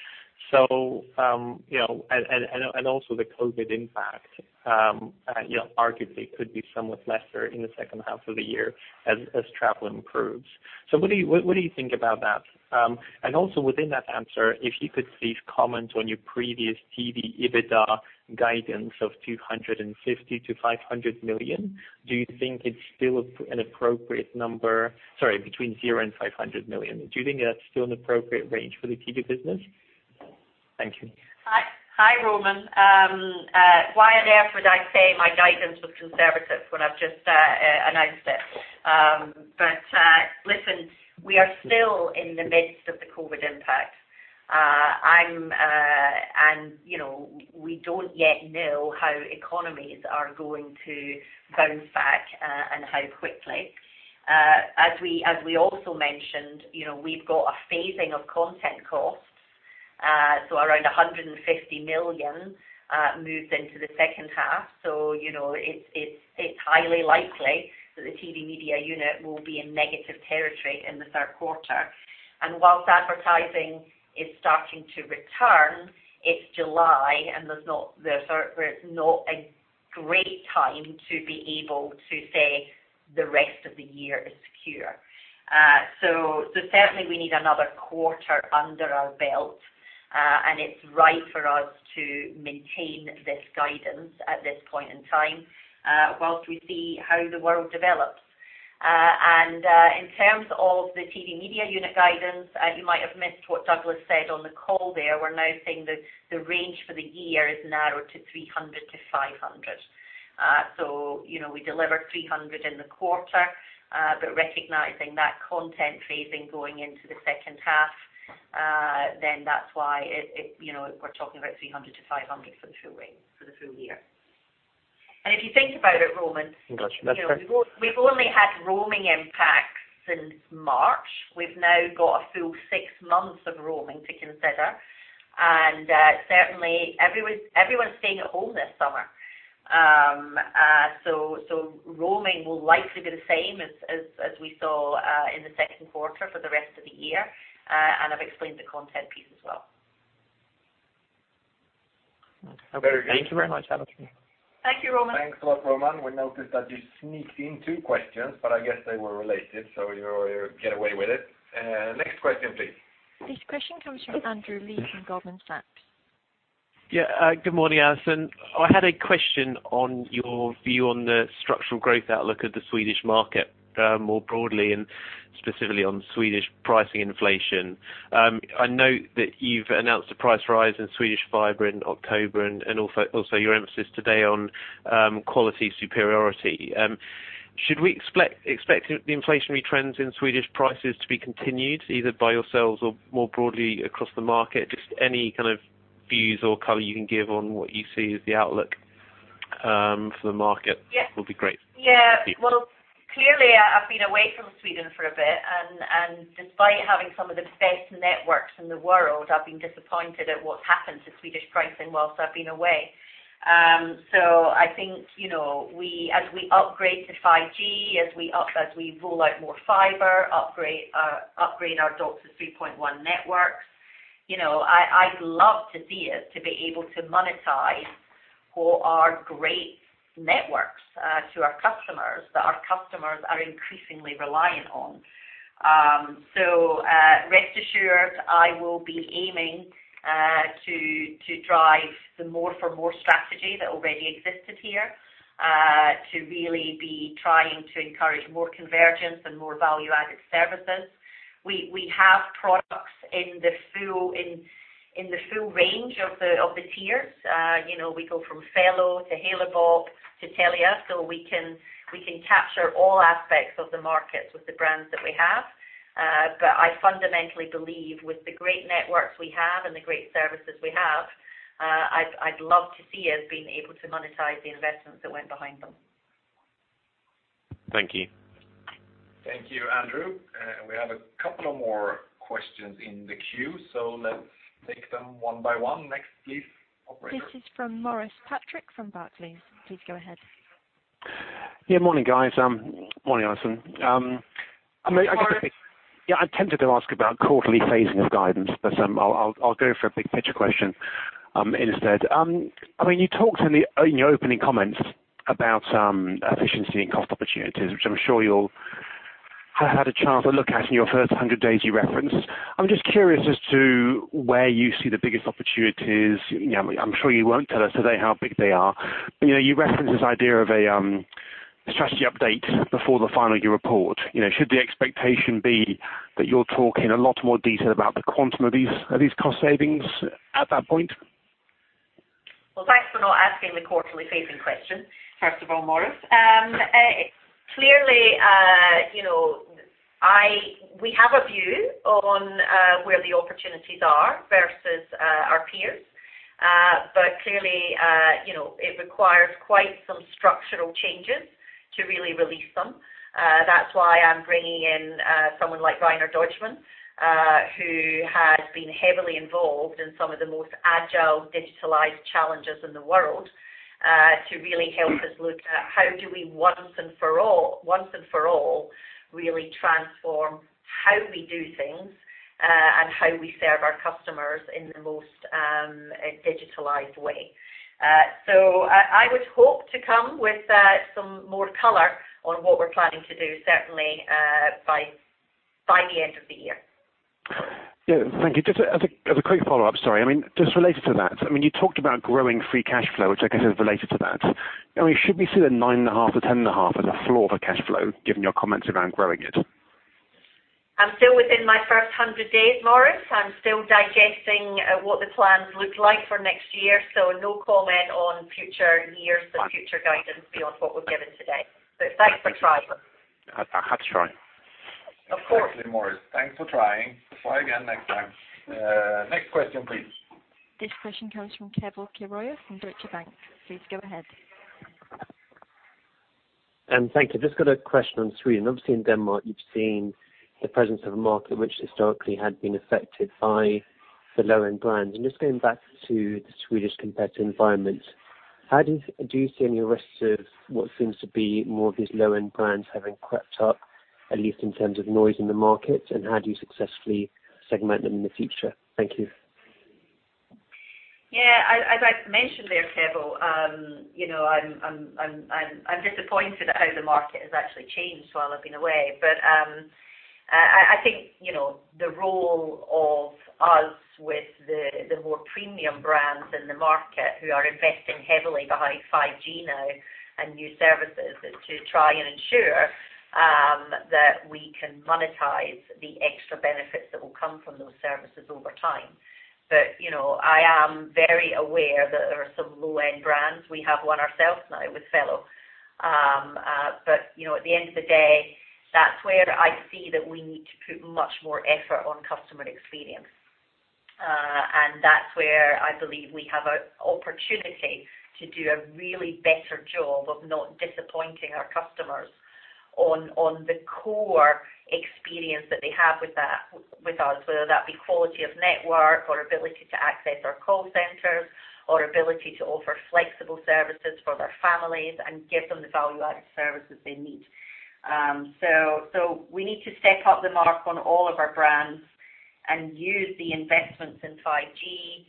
Also the COVID-19 impact arguably could be somewhat lesser in the second half of the year as travel improves. What do you think about that? Also within that answer, if you could please comment on your previous TV EBITDA guidance of 250 million-500 million. Do you think it's still an appropriate number, between 0-500 million? Do you think that's still an appropriate range for the TV business? Thank you. Hi, Roman. Why on earth would I say my guidance was conservative when I've just announced it? Listen, we are still in the midst of the COVID impact. We don't yet know how economies are going to bounce back and how quickly. As we also mentioned, we've got a phasing of content costs, around 150 million moves into the second half. It's highly likely that the TV Media unit will be in negative territory in the third quarter. Whilst advertising is starting to return, it's July, and it's not a great time to be able to say the rest of the year is secure. Certainly we need another quarter under our belt. It's right for us to maintain this guidance at this point in time whilst we see how the world develops. In terms of the TV Media unit guidance, you might have missed what Douglas said on the call there. We're now saying that the range for the year is narrowed to 300-500. We delivered 300 in the quarter, but recognizing that content phasing going into the second half, then that's why we're talking about 300-500 for the full year. If you think about it, Roman. Yes. We've only had roaming impacts since March. We've now got a full six months of roaming to consider. Certainly everyone's staying at home this summer. Roaming will likely be the same as we saw in the second quarter for the rest of the year. I've explained the content piece as well. Very good. Thank you very much, Allison. Thank you, Roman. Thanks a lot, Roman. We noticed that you sneaked in two questions, but I guess they were related, so you get away with it. Next question, please. This question comes from Andrew Lee from Goldman Sachs. Yeah. Good morning, Allison. I had a question on your view on the structural growth outlook of the Swedish market more broadly, and specifically on Swedish pricing inflation. I know that you've announced a price rise in Swedish fiber in October and also your emphasis today on quality superiority. Should we expect the inflationary trends in Swedish prices to be continued, either by yourselves or more broadly across the market? Just any kind of views or color you can give on what you see as the outlook for the market would be great. Yeah. Thank you. Well, clearly, I've been away from Sweden for a bit, and despite having some of the best networks in the world, I've been disappointed at what's happened to Swedish pricing while I've been away. I think as we upgrade to 5G, as we roll out more fiber, upgrade our DOCSIS 3.1 networks, I'd love to see us to be able to monetize all our great networks to our customers, that our customers are increasingly reliant on. Rest assured, I will be aiming to drive the more for more strategy that already existed here, to really be trying to encourage more convergence and more value-added services. We have products in the full range of the tiers. We go from Fello to Halebop to Telia, so we can capture all aspects of the market with the brands that we have. I fundamentally believe with the great networks we have and the great services we have, I'd love to see us being able to monetize the investments that went behind them. Thank you. Thank you, Andrew. We have a couple of more questions in the queue. Let's take them one by one. Next, please, operator. This is from Maurice Patrick from Barclays. Please go ahead. Yeah, morning, guys. Morning, Allison. Morning. Yeah, I'm tempted to ask about quarterly phasing of guidance, but I'll go for a big picture question instead. You talked in your opening comments about efficiency and cost opportunities, which I'm sure you'll have had a chance to look at in your first 100 days you referenced. I'm just curious as to where you see the biggest opportunities. I'm sure you won't tell us today how big they are. You referenced this idea of a strategy update before the final year report. Should the expectation be that you're talking a lot more detail about the quantum of these cost savings at that point? Well, thanks for not asking the quarterly phasing question, first of all, Maurice. We have a view on where the opportunities are versus our peers. Clearly it requires quite some structural changes to really release them. That's why I'm bringing in someone like Rainer Deutschmann who has been heavily involved in some of the most agile digitalized challenges in the world to really help us look at how do we once and for all really transform how we do things, and how we serve our customers in the most digitalized way. I would hope to come with some more color on what we're planning to do, certainly by the end of the year. Yeah. Thank you. Just as a quick follow-up, sorry. Just related to that, you talked about growing free cash flow, which I guess is related to that. Should we see the nine and a half to 10 and a half as a floor for cash flow, given your comments around growing it? I'm still within my first 100 days, Maurice. I'm still digesting what the plans look like for next year, no comment on future years or future guidance beyond what we've given today. Thanks for trying. I had to try. Of course. Absolutely, Maurice. Thanks for trying. Try again next time. Next question, please. This question comes from Keval Khiroya from Deutsche Bank. Please go ahead. Thank you. Just got a question on Sweden. Obviously, in Denmark, you've seen the presence of a market which historically had been affected by the low-end brands. Just going back to the Swedish competitive environment, do you see any risks of what seems to be more of these low-end brands having crept up, at least in terms of noise in the market? How do you successfully segment them in the future? Thank you. Yeah. As I mentioned there, Keval, I'm disappointed at how the market has actually changed while I've been away. I think the role of us with the more premium brands in the market who are investing heavily behind 5G now and new services is to try and ensure that we can monetize the extra benefits that will come from those services over time. I am very aware that there are some low-end brands. We have one ourselves now with Fello. At the end of the day, that's where I see that we need to put much more effort on customer experience. That's where I believe we have an opportunity to do a really better job of not disappointing our customers on the core experience that they have with us, whether that be quality of network or ability to access our call centers or ability to offer flexible services for their families and give them the value-added services they need. We need to step up the mark on all of our brands and use the investments in 5G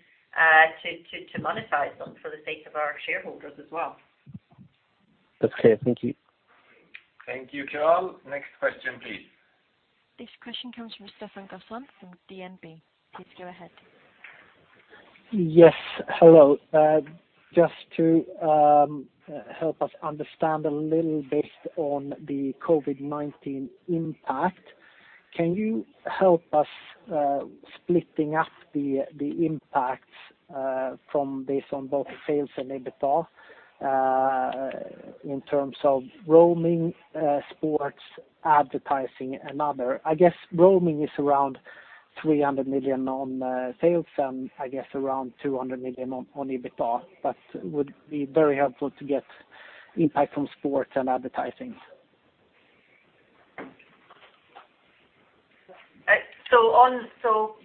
to monetize them for the sake of our shareholders as well. That's clear. Thank you. Thank you, Keval. Next question, please. This question comes from Stefan Gauffin from DNB. Please go ahead. Yes, hello. Just to help us understand a little based on the COVID-19 impact, can you help us splitting up the impacts from this on both sales and EBITDA, in terms of roaming, sports, advertising, and other? I guess roaming is around 300 million on sales and I guess around 200 million on EBITDA. Would be very helpful to get impact from sports and advertising.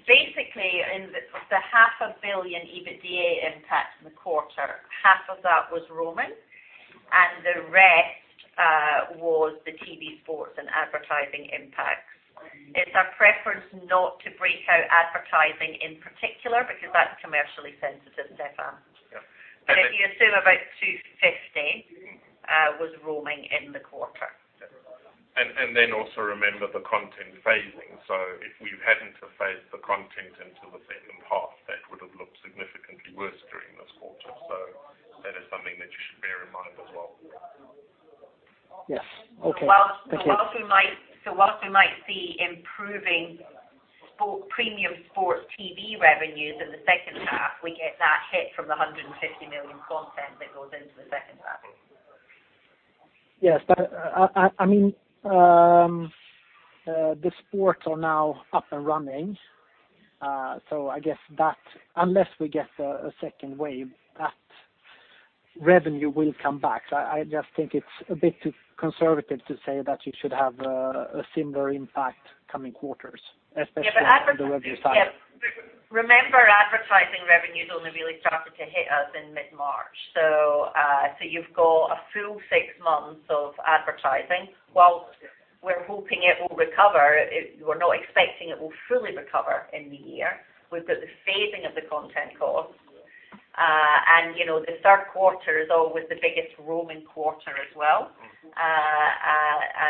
Basically, in the half a billion EBITDA impact in the quarter, half of that was roaming and the rest was the TV sports and advertising impact. It's our preference not to break out advertising in particular because that's commercially sensitive, Stefan. Yeah. If you assume about 250 was roaming in the quarter. Also remember the content phasing. If we hadn't have phased the content until the second half, that would have looked significantly worse during this quarter. That is something that you should bear in mind as well. Yes. Okay. Thank you. Whilst we might see improving premium sports TV revenues in the second half, we get that hit from the 150 million content that goes into the second half. Yes. The sports are now up and running. I guess unless we get a second wave, that revenue will come back. I just think it is a bit too conservative to say that you should have a similar impact coming quarters, especially from the revenue side. Yeah. Remember, advertising revenues only really started to hit us in mid-March. You've got a full six months of advertising. While we're hoping it will recover, we're not expecting it will fully recover in the year. We've got the phasing of the content costs. The third quarter is always the biggest roaming quarter as well.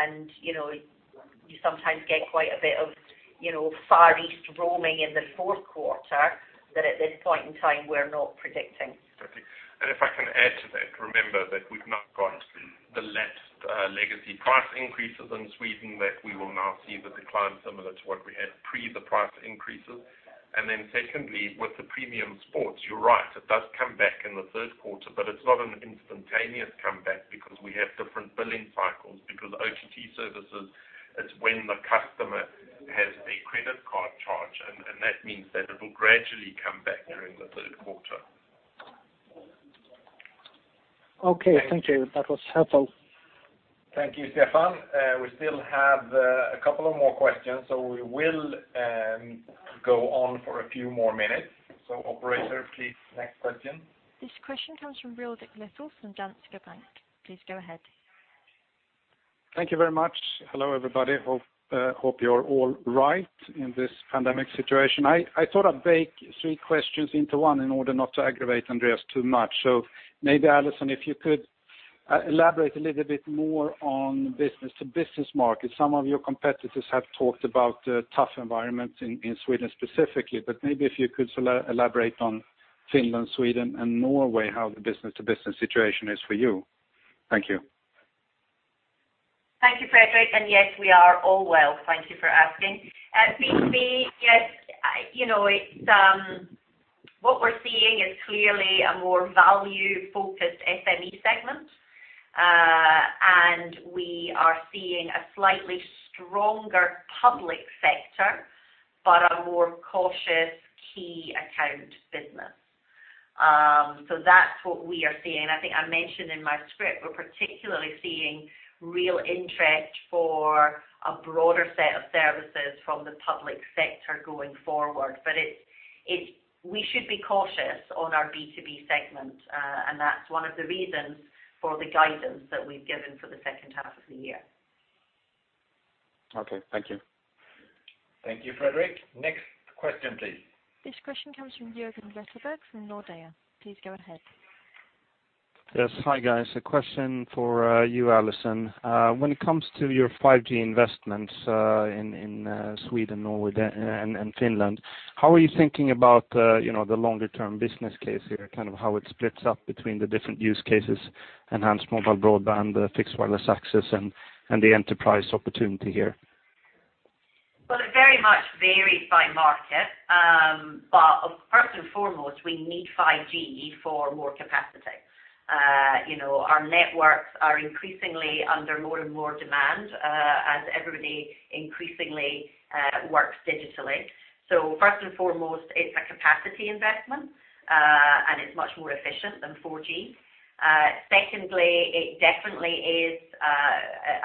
You sometimes get quite a bit of Far East roaming in the fourth quarter that at this point in time, we're not predicting. Perfect. If I can add to that, remember that we've now got the last legacy price increases in Sweden that we will now see the decline similar to what we had pre the price increases. Secondly, with the premium sports, you're right. It does come back in the third quarter, but it's not an instantaneous comeback because we have different billing cycles. OTT services, it's when the customer has a credit card charge, and that means that it will gradually come back during the third quarter. Okay. Thank you. That was helpful. Thank you, Stefan. We still have a couple of more questions, so we will go on for a few more minutes. Operator, please, next question. This question comes from Fredrik Lithell from Danske Bank. Please go ahead. Thank you very much. Hello, everybody. Hope you're all right in this pandemic situation. I thought I'd bake three questions into one in order not to aggravate Andreas too much. Maybe Allison, if you could elaborate a little bit more on business-to-business market. Some of your competitors have talked about the tough environment in Sweden specifically, but maybe if you could elaborate on Finland, Sweden, and Norway, how the business-to-business situation is for you. Thank you. Thank you, Fredrik. Yes, we are all well. Thank you for asking. B2B, what we're seeing is clearly a more value-focused SME segment. We are seeing a slightly stronger public sector, but a more cautious key account business. That's what we are seeing. I think I mentioned in my script, we're particularly seeing real interest for a broader set of services from the public sector going forward. We should be cautious on our B2B segment. That's one of the reasons for the guidance that we've given for the second half of the year. Okay. Thank you. Thank you, Fredrik. Next question, please. This question comes from Jörgen Wetterberg from Nordea. Please go ahead. Yes. Hi, guys. A question for you, Allison. When it comes to your 5G investments in Sweden, Norway, and Finland, how are you thinking about the longer-term business case here, how it splits up between the different use cases, enhanced mobile broadband, fixed wireless access, and the enterprise opportunity here? Well, it very much varies by market. First and foremost, we need 5G for more capacity. Our networks are increasingly under more and more demand as everybody increasingly works digitally. First and foremost, it's a capacity investment, and it's much more efficient than 4G. Secondly, it definitely is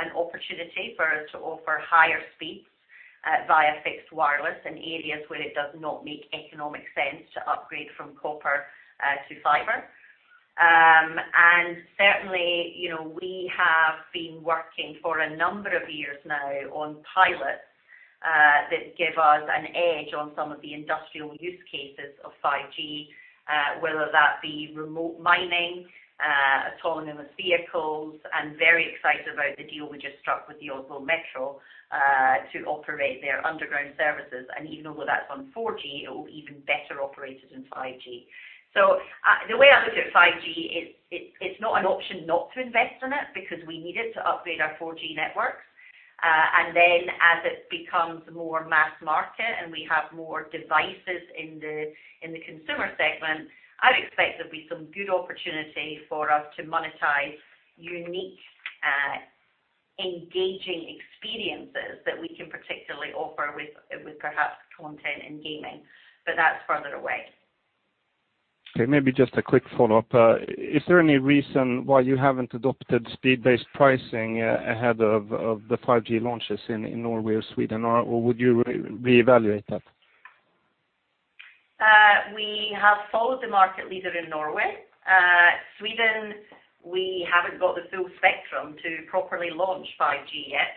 an opportunity for us to offer higher speeds via fixed wireless in areas where it does not make economic sense to upgrade from copper to fiber. Certainly, we have been working for a number of years now on pilots that give us an edge on some of the industrial use cases of 5G, whether that be remote mining, autonomous vehicles. I'm very excited about the deal we just struck with the Oslo Metro to operate their underground services. Even though that's on 4G, it will be even better operated in 5G. The way I look at 5G, it's not an option not to invest in it because we need it to upgrade our 4G networks. As it becomes more mass market and we have more devices in the consumer segment, I would expect there'll be some good opportunity for us to monetize unique, engaging experiences that we can particularly offer with perhaps content and gaming. That's further away. Okay, maybe just a quick follow-up. Is there any reason why you haven't adopted speed-based pricing ahead of the 5G launches in Norway or Sweden, or would you reevaluate that? We have followed the market leader in Norway. Sweden, we haven't got the full spectrum to properly launch 5G yet,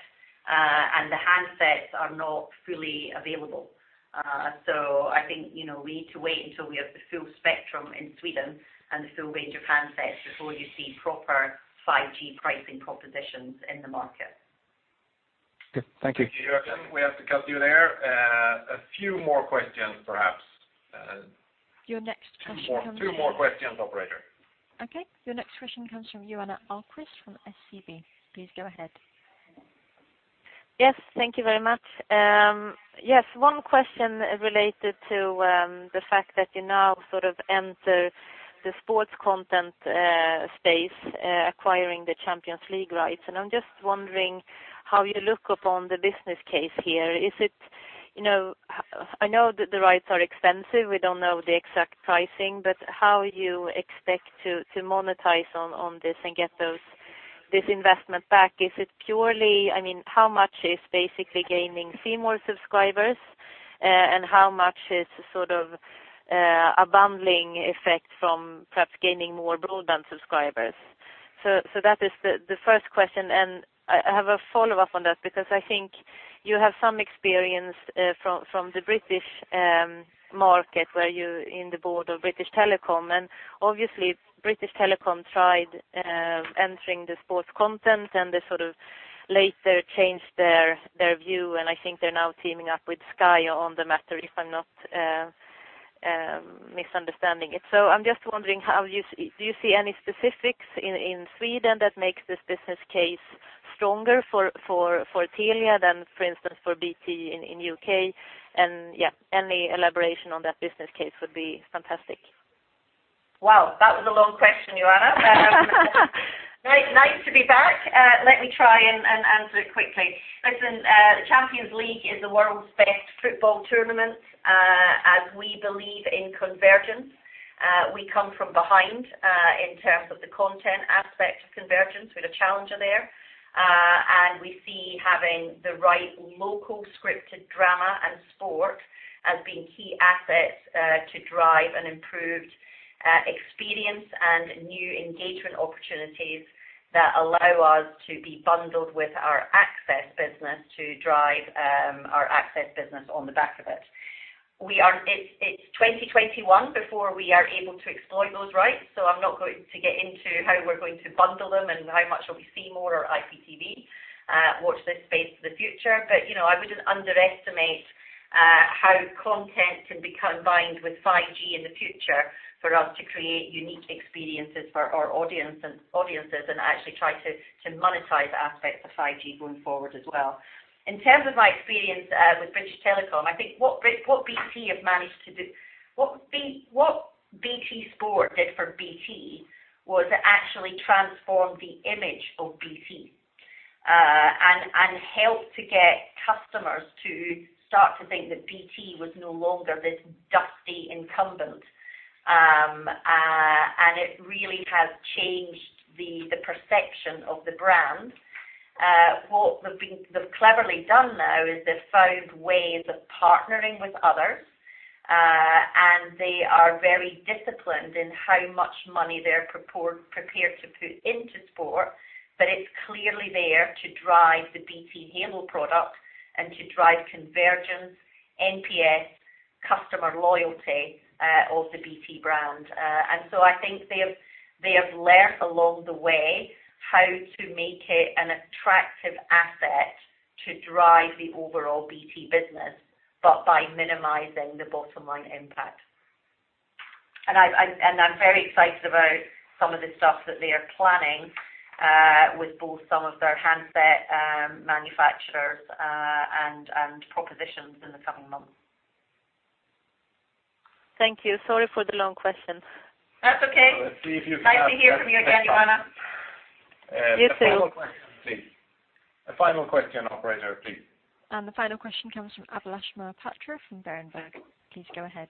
and the handsets are not fully available. I think, we need to wait until we have the full spectrum in Sweden and the full range of handsets before you see proper 5G pricing propositions in the market. Good. Thank you. Thank you, Jörgen. We have to cut you there. A few more questions, perhaps. Your next question comes in. Two more questions, operator. Okay. Your next question comes from Johanna Ahlqvist from SEB. Please go ahead. Yes, thank you very much. Yes, one question related to the fact that you now sort of enter the sports content space, acquiring the Champions League rights. I'm just wondering how you look upon the business case here. I know that the rights are expensive. We don't know the exact pricing, but how you expect to monetize on this and get this investment back. How much is basically gaining C More subscribers, and how much is sort of a bundling effect from perhaps gaining more broadband subscribers? That is the first question, and I have a follow-up on that because I think you have some experience from the British market where you're in the board of British Telecom. Obviously, British Telecom tried entering the sports content, they sort of later changed their view, and I think they're now teaming up with Sky on the matter, if I'm not misunderstanding it. I'm just wondering, do you see any specifics in Sweden that makes this business case stronger for Telia than, for instance, for BT in U.K.? Any elaboration on that business case would be fantastic. Wow, that was a long question, Johanna. Very nice to be back. Let me try and answer it quickly. Listen, the Champions League is the world's best football tournament, as we believe in convergence. We come from behind in terms of the content aspect of convergence. We're the challenger there. We see having the right local scripted drama and sport as being key assets to drive an improved experience and new engagement opportunities that allow us to be bundled with our access business to drive our access business on the back of it. It's 2021 before we are able to exploit those rights, so I'm not going to get into how we're going to bundle them and how much will be C More or IPTV. Watch this space for the future. I wouldn't underestimate how content can be combined with 5G in the future for us to create unique experiences for our audiences and actually try to monetize aspects of 5G going forward as well. In terms of my experience with British Telecom, I think what BT Sport did for BT was it actually transformed the image of BT and helped to get customers to start to think that BT was no longer this dusty incumbent. It really has changed the perception of the brand. What they've cleverly done now is they've found ways of partnering with others. They are very disciplined in how much money they're prepared to put into sport, but it's clearly there to drive the BT Halo product and to drive convergence, NPS, customer loyalty of the BT brand. I think they have learned along the way how to make it an attractive asset to drive the overall BT business, but by minimizing the bottom-line impact. I'm very excited about some of the stuff that they are planning with both some of their handset manufacturers and propositions in the coming months. Thank you. Sorry for the long questions. That's okay. Let's see if you can. Nice to hear from you again, Joanna. You too. A final question, please. A final question, operator, please. The final question comes from Abhilash Mahtra from Berenberg. Please go ahead.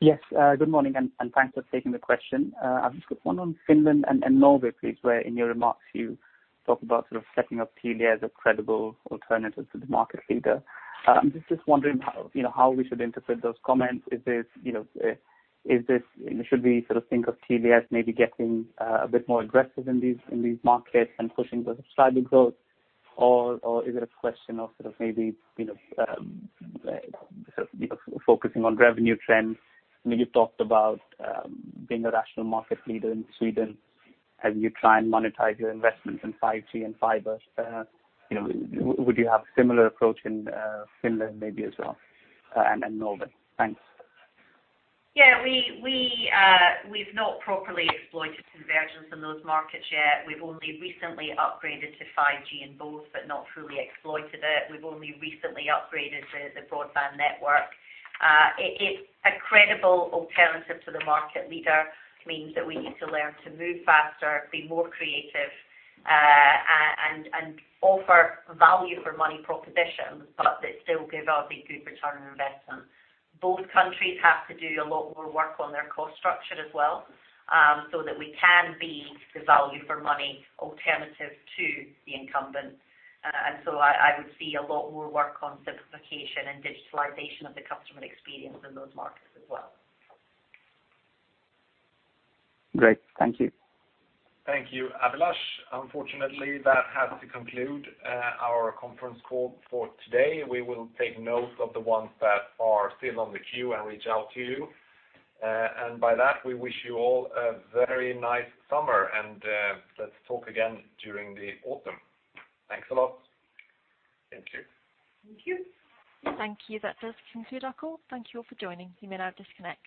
Yes, good morning, and thanks for taking the question. I've just got one on Finland and Norway, please, where in your remarks you talk about sort of setting up Telia as a credible alternative to the market leader. I'm just wondering how we should interpret those comments. Should we think of Telia as maybe getting a bit more aggressive in these markets and pushing the subscriber growth? Is it a question of maybe focusing on revenue trends? I know you've talked about being the national market leader in Sweden as you try and monetize your investments in 5G and fiber. Would you have a similar approach in Finland maybe as well, and Norway? Thanks. Yeah, we've not properly exploited convergence in those markets yet. We've only recently upgraded to 5G in both but not fully exploited it. We've only recently upgraded the broadband network. A credible alternative to the market leader means that we need to learn to move faster, be more creative, and offer value-for-money propositions, but that still give us a good return on investment. Both countries have to do a lot more work on their cost structure as well so that we can be the value-for-money alternative to the incumbent. I would see a lot more work on simplification and digitalization of the customer experience in those markets as well. Great. Thank you. Thank you, Abhilash. Unfortunately, that has to conclude our conference call for today. We will take note of the ones that are still on the queue and reach out to you. By that, we wish you all a very nice summer, and let's talk again during the autumn. Thanks a lot. Thank you. Thank you. Thank you. That does conclude our call. Thank you all for joining. You may now disconnect.